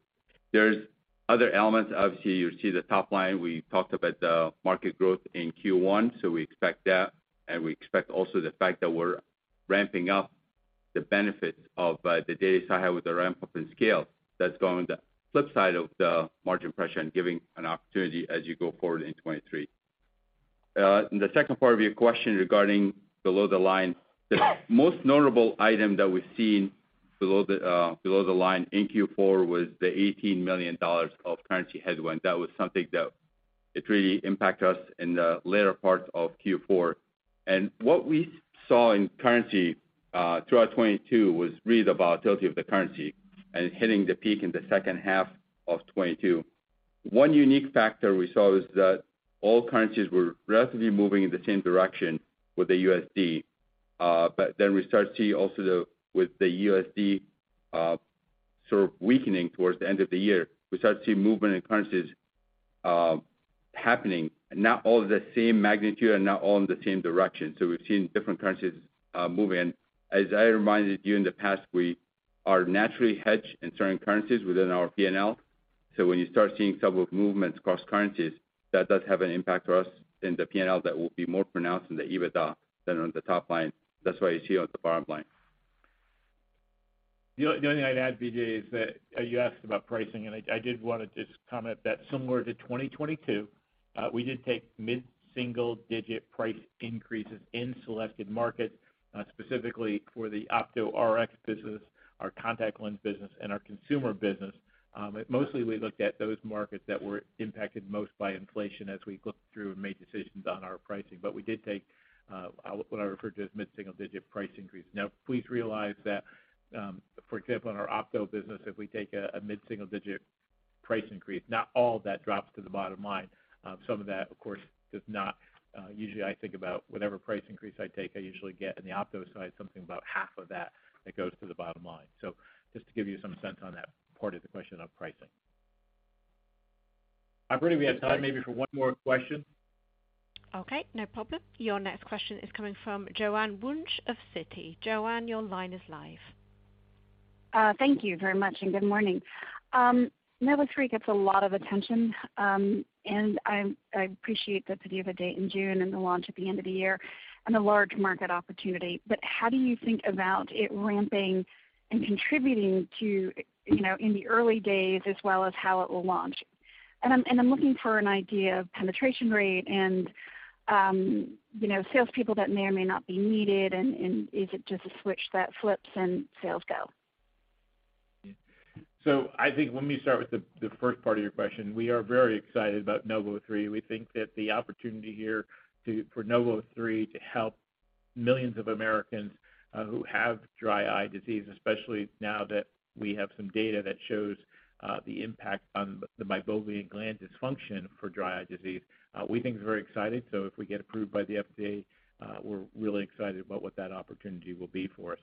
Speaker 5: There's other elements. Obviously, you see the top line. We talked about the market growth in Q1, we expect that, and we expect also the fact that we're ramping up the benefits of the data set with the ramp-up in scale that's going the flip side of the margin pressure and giving an opportunity as you go forward in 2023. The second part of your question regarding below the line. The most notable item that we've seen below the line in Q4 was the $18 million of currency headwind. That was something that it really impact us in the later parts of Q4. What we saw in currency throughout 2022 was really the volatility of the currency and it hitting the peak in the second half of 2022. One unique factor we saw is that all currencies were relatively moving in the same direction with the USD, we start to see also the, with the USD, sort of weakening towards the end of the year. We start to see movement in currencies, happening, not all of the same magnitude and not all in the same direction. We've seen different currencies move. As I reminded you in the past, we are naturally hedged in certain currencies within our P&L. When you start seeing several movements across currencies, that does have an impact to us in the P&L that will be more pronounced in the EBITDA than on the top line. That's why you see it on the bottom line.
Speaker 2: The only thing I'd add, Vijay, is that you asked about pricing, and I did want to just comment that similar to 2022, we did take mid-single-digit price increases in selected markets, specifically for the Opto Rx business, our contact lens business, and our consumer business. Mostly we looked at those markets that were impacted most by inflation as we looked through and made decisions on our pricing. We did take what I refer to as mid-single-digit price increase. Now, please realize that, for example, in our Opto business, if we take a mid-single-digit price increase, not all of that drops to the bottom line. Some of that, of course, does not. Usually I think about whatever price increase I take, I usually get in the Opto side something about half of that that goes to the bottom line. Just to give you some sense on that part of the question on pricing. Operator, we have time maybe for one more question.
Speaker 1: Okay, no problem. Your next question is coming from Joanne Wuensch of Citi. Joanne, your line is live.
Speaker 11: Thank you very much. Good morning. NOV03 gets a lot of attention. I appreciate that you have a date in June and the launch at the end of the year, and the large market opportunity. How do you think about it ramping and contributing to, you know, in the early days as well as how it will launch? I'm looking for an idea of penetration rate and, you know, salespeople that may or may not be needed, and is it just a switch that flips and sales go?
Speaker 2: I think let me start with the first part of your question. We are very excited about NOV03. We think that the opportunity here to, for NOV03 to help millions of Americans who have dry eye disease, especially now that we have some data that shows the impact on the meibomian gland dysfunction for dry eye disease, we think is very exciting. If we get approved by the FDA, we're really excited about what that opportunity will be for us.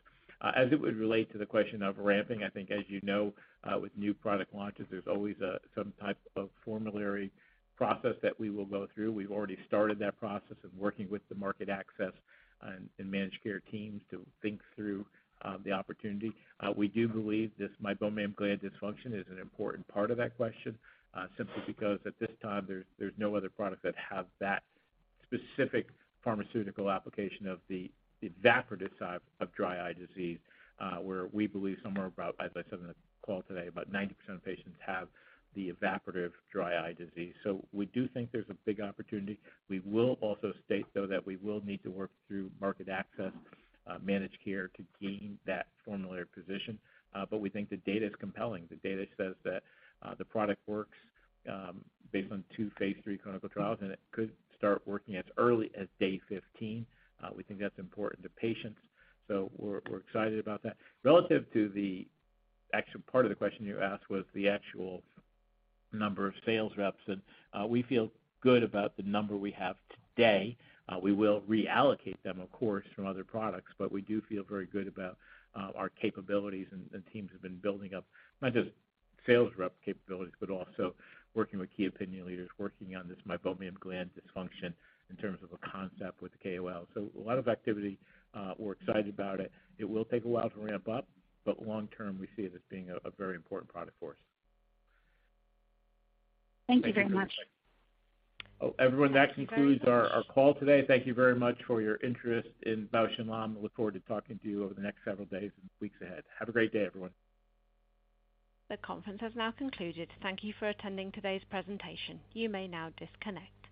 Speaker 2: As it would relate to the question of ramping, I think as you know, with new product launches, there's always some type of formulary process that we will go through. We've already started that process of working with the market access and managed care teams to think through the opportunity. We do believe this meibomian gland dysfunction is an important part of that question, simply because at this time, there's no other product that have that specific pharmaceutical application of the evaporative side of dry eye disease, where we believe somewhere about, as I said in the call today, about 90% of patients have the evaporative dry eye disease. We do think there's a big opportunity. We will also state, though, that we will need to work through market access, managed care to gain that formulary position. We think the data is compelling. The data says that the product works, based on two phase III clinical trials, and it could start working as early as day 15. We think that's important to patients. We're excited about that. Relative to the actual part of the question you asked was the actual number of sales reps, and, we feel good about the number we have today. We will reallocate them, of course, from other products, but we do feel very good about our capabilities and teams have been building up not just sales rep capabilities, but also working with key opinion leaders, working on this meibomian gland dysfunction in terms of a concept with the KOLs. A lot of activity. We're excited about it. It will take a while to ramp up, but long term, we see it as being a very important product for us.
Speaker 11: Thank you very much.
Speaker 2: Oh, everyone, that concludes our call today. Thank you very much for your interest in Bausch + Lomb. Look forward to talking to you over the next several days and weeks ahead. Have a great day, everyone.
Speaker 1: The conference has now concluded. Thank you for attending today's presentation. You may now disconnect.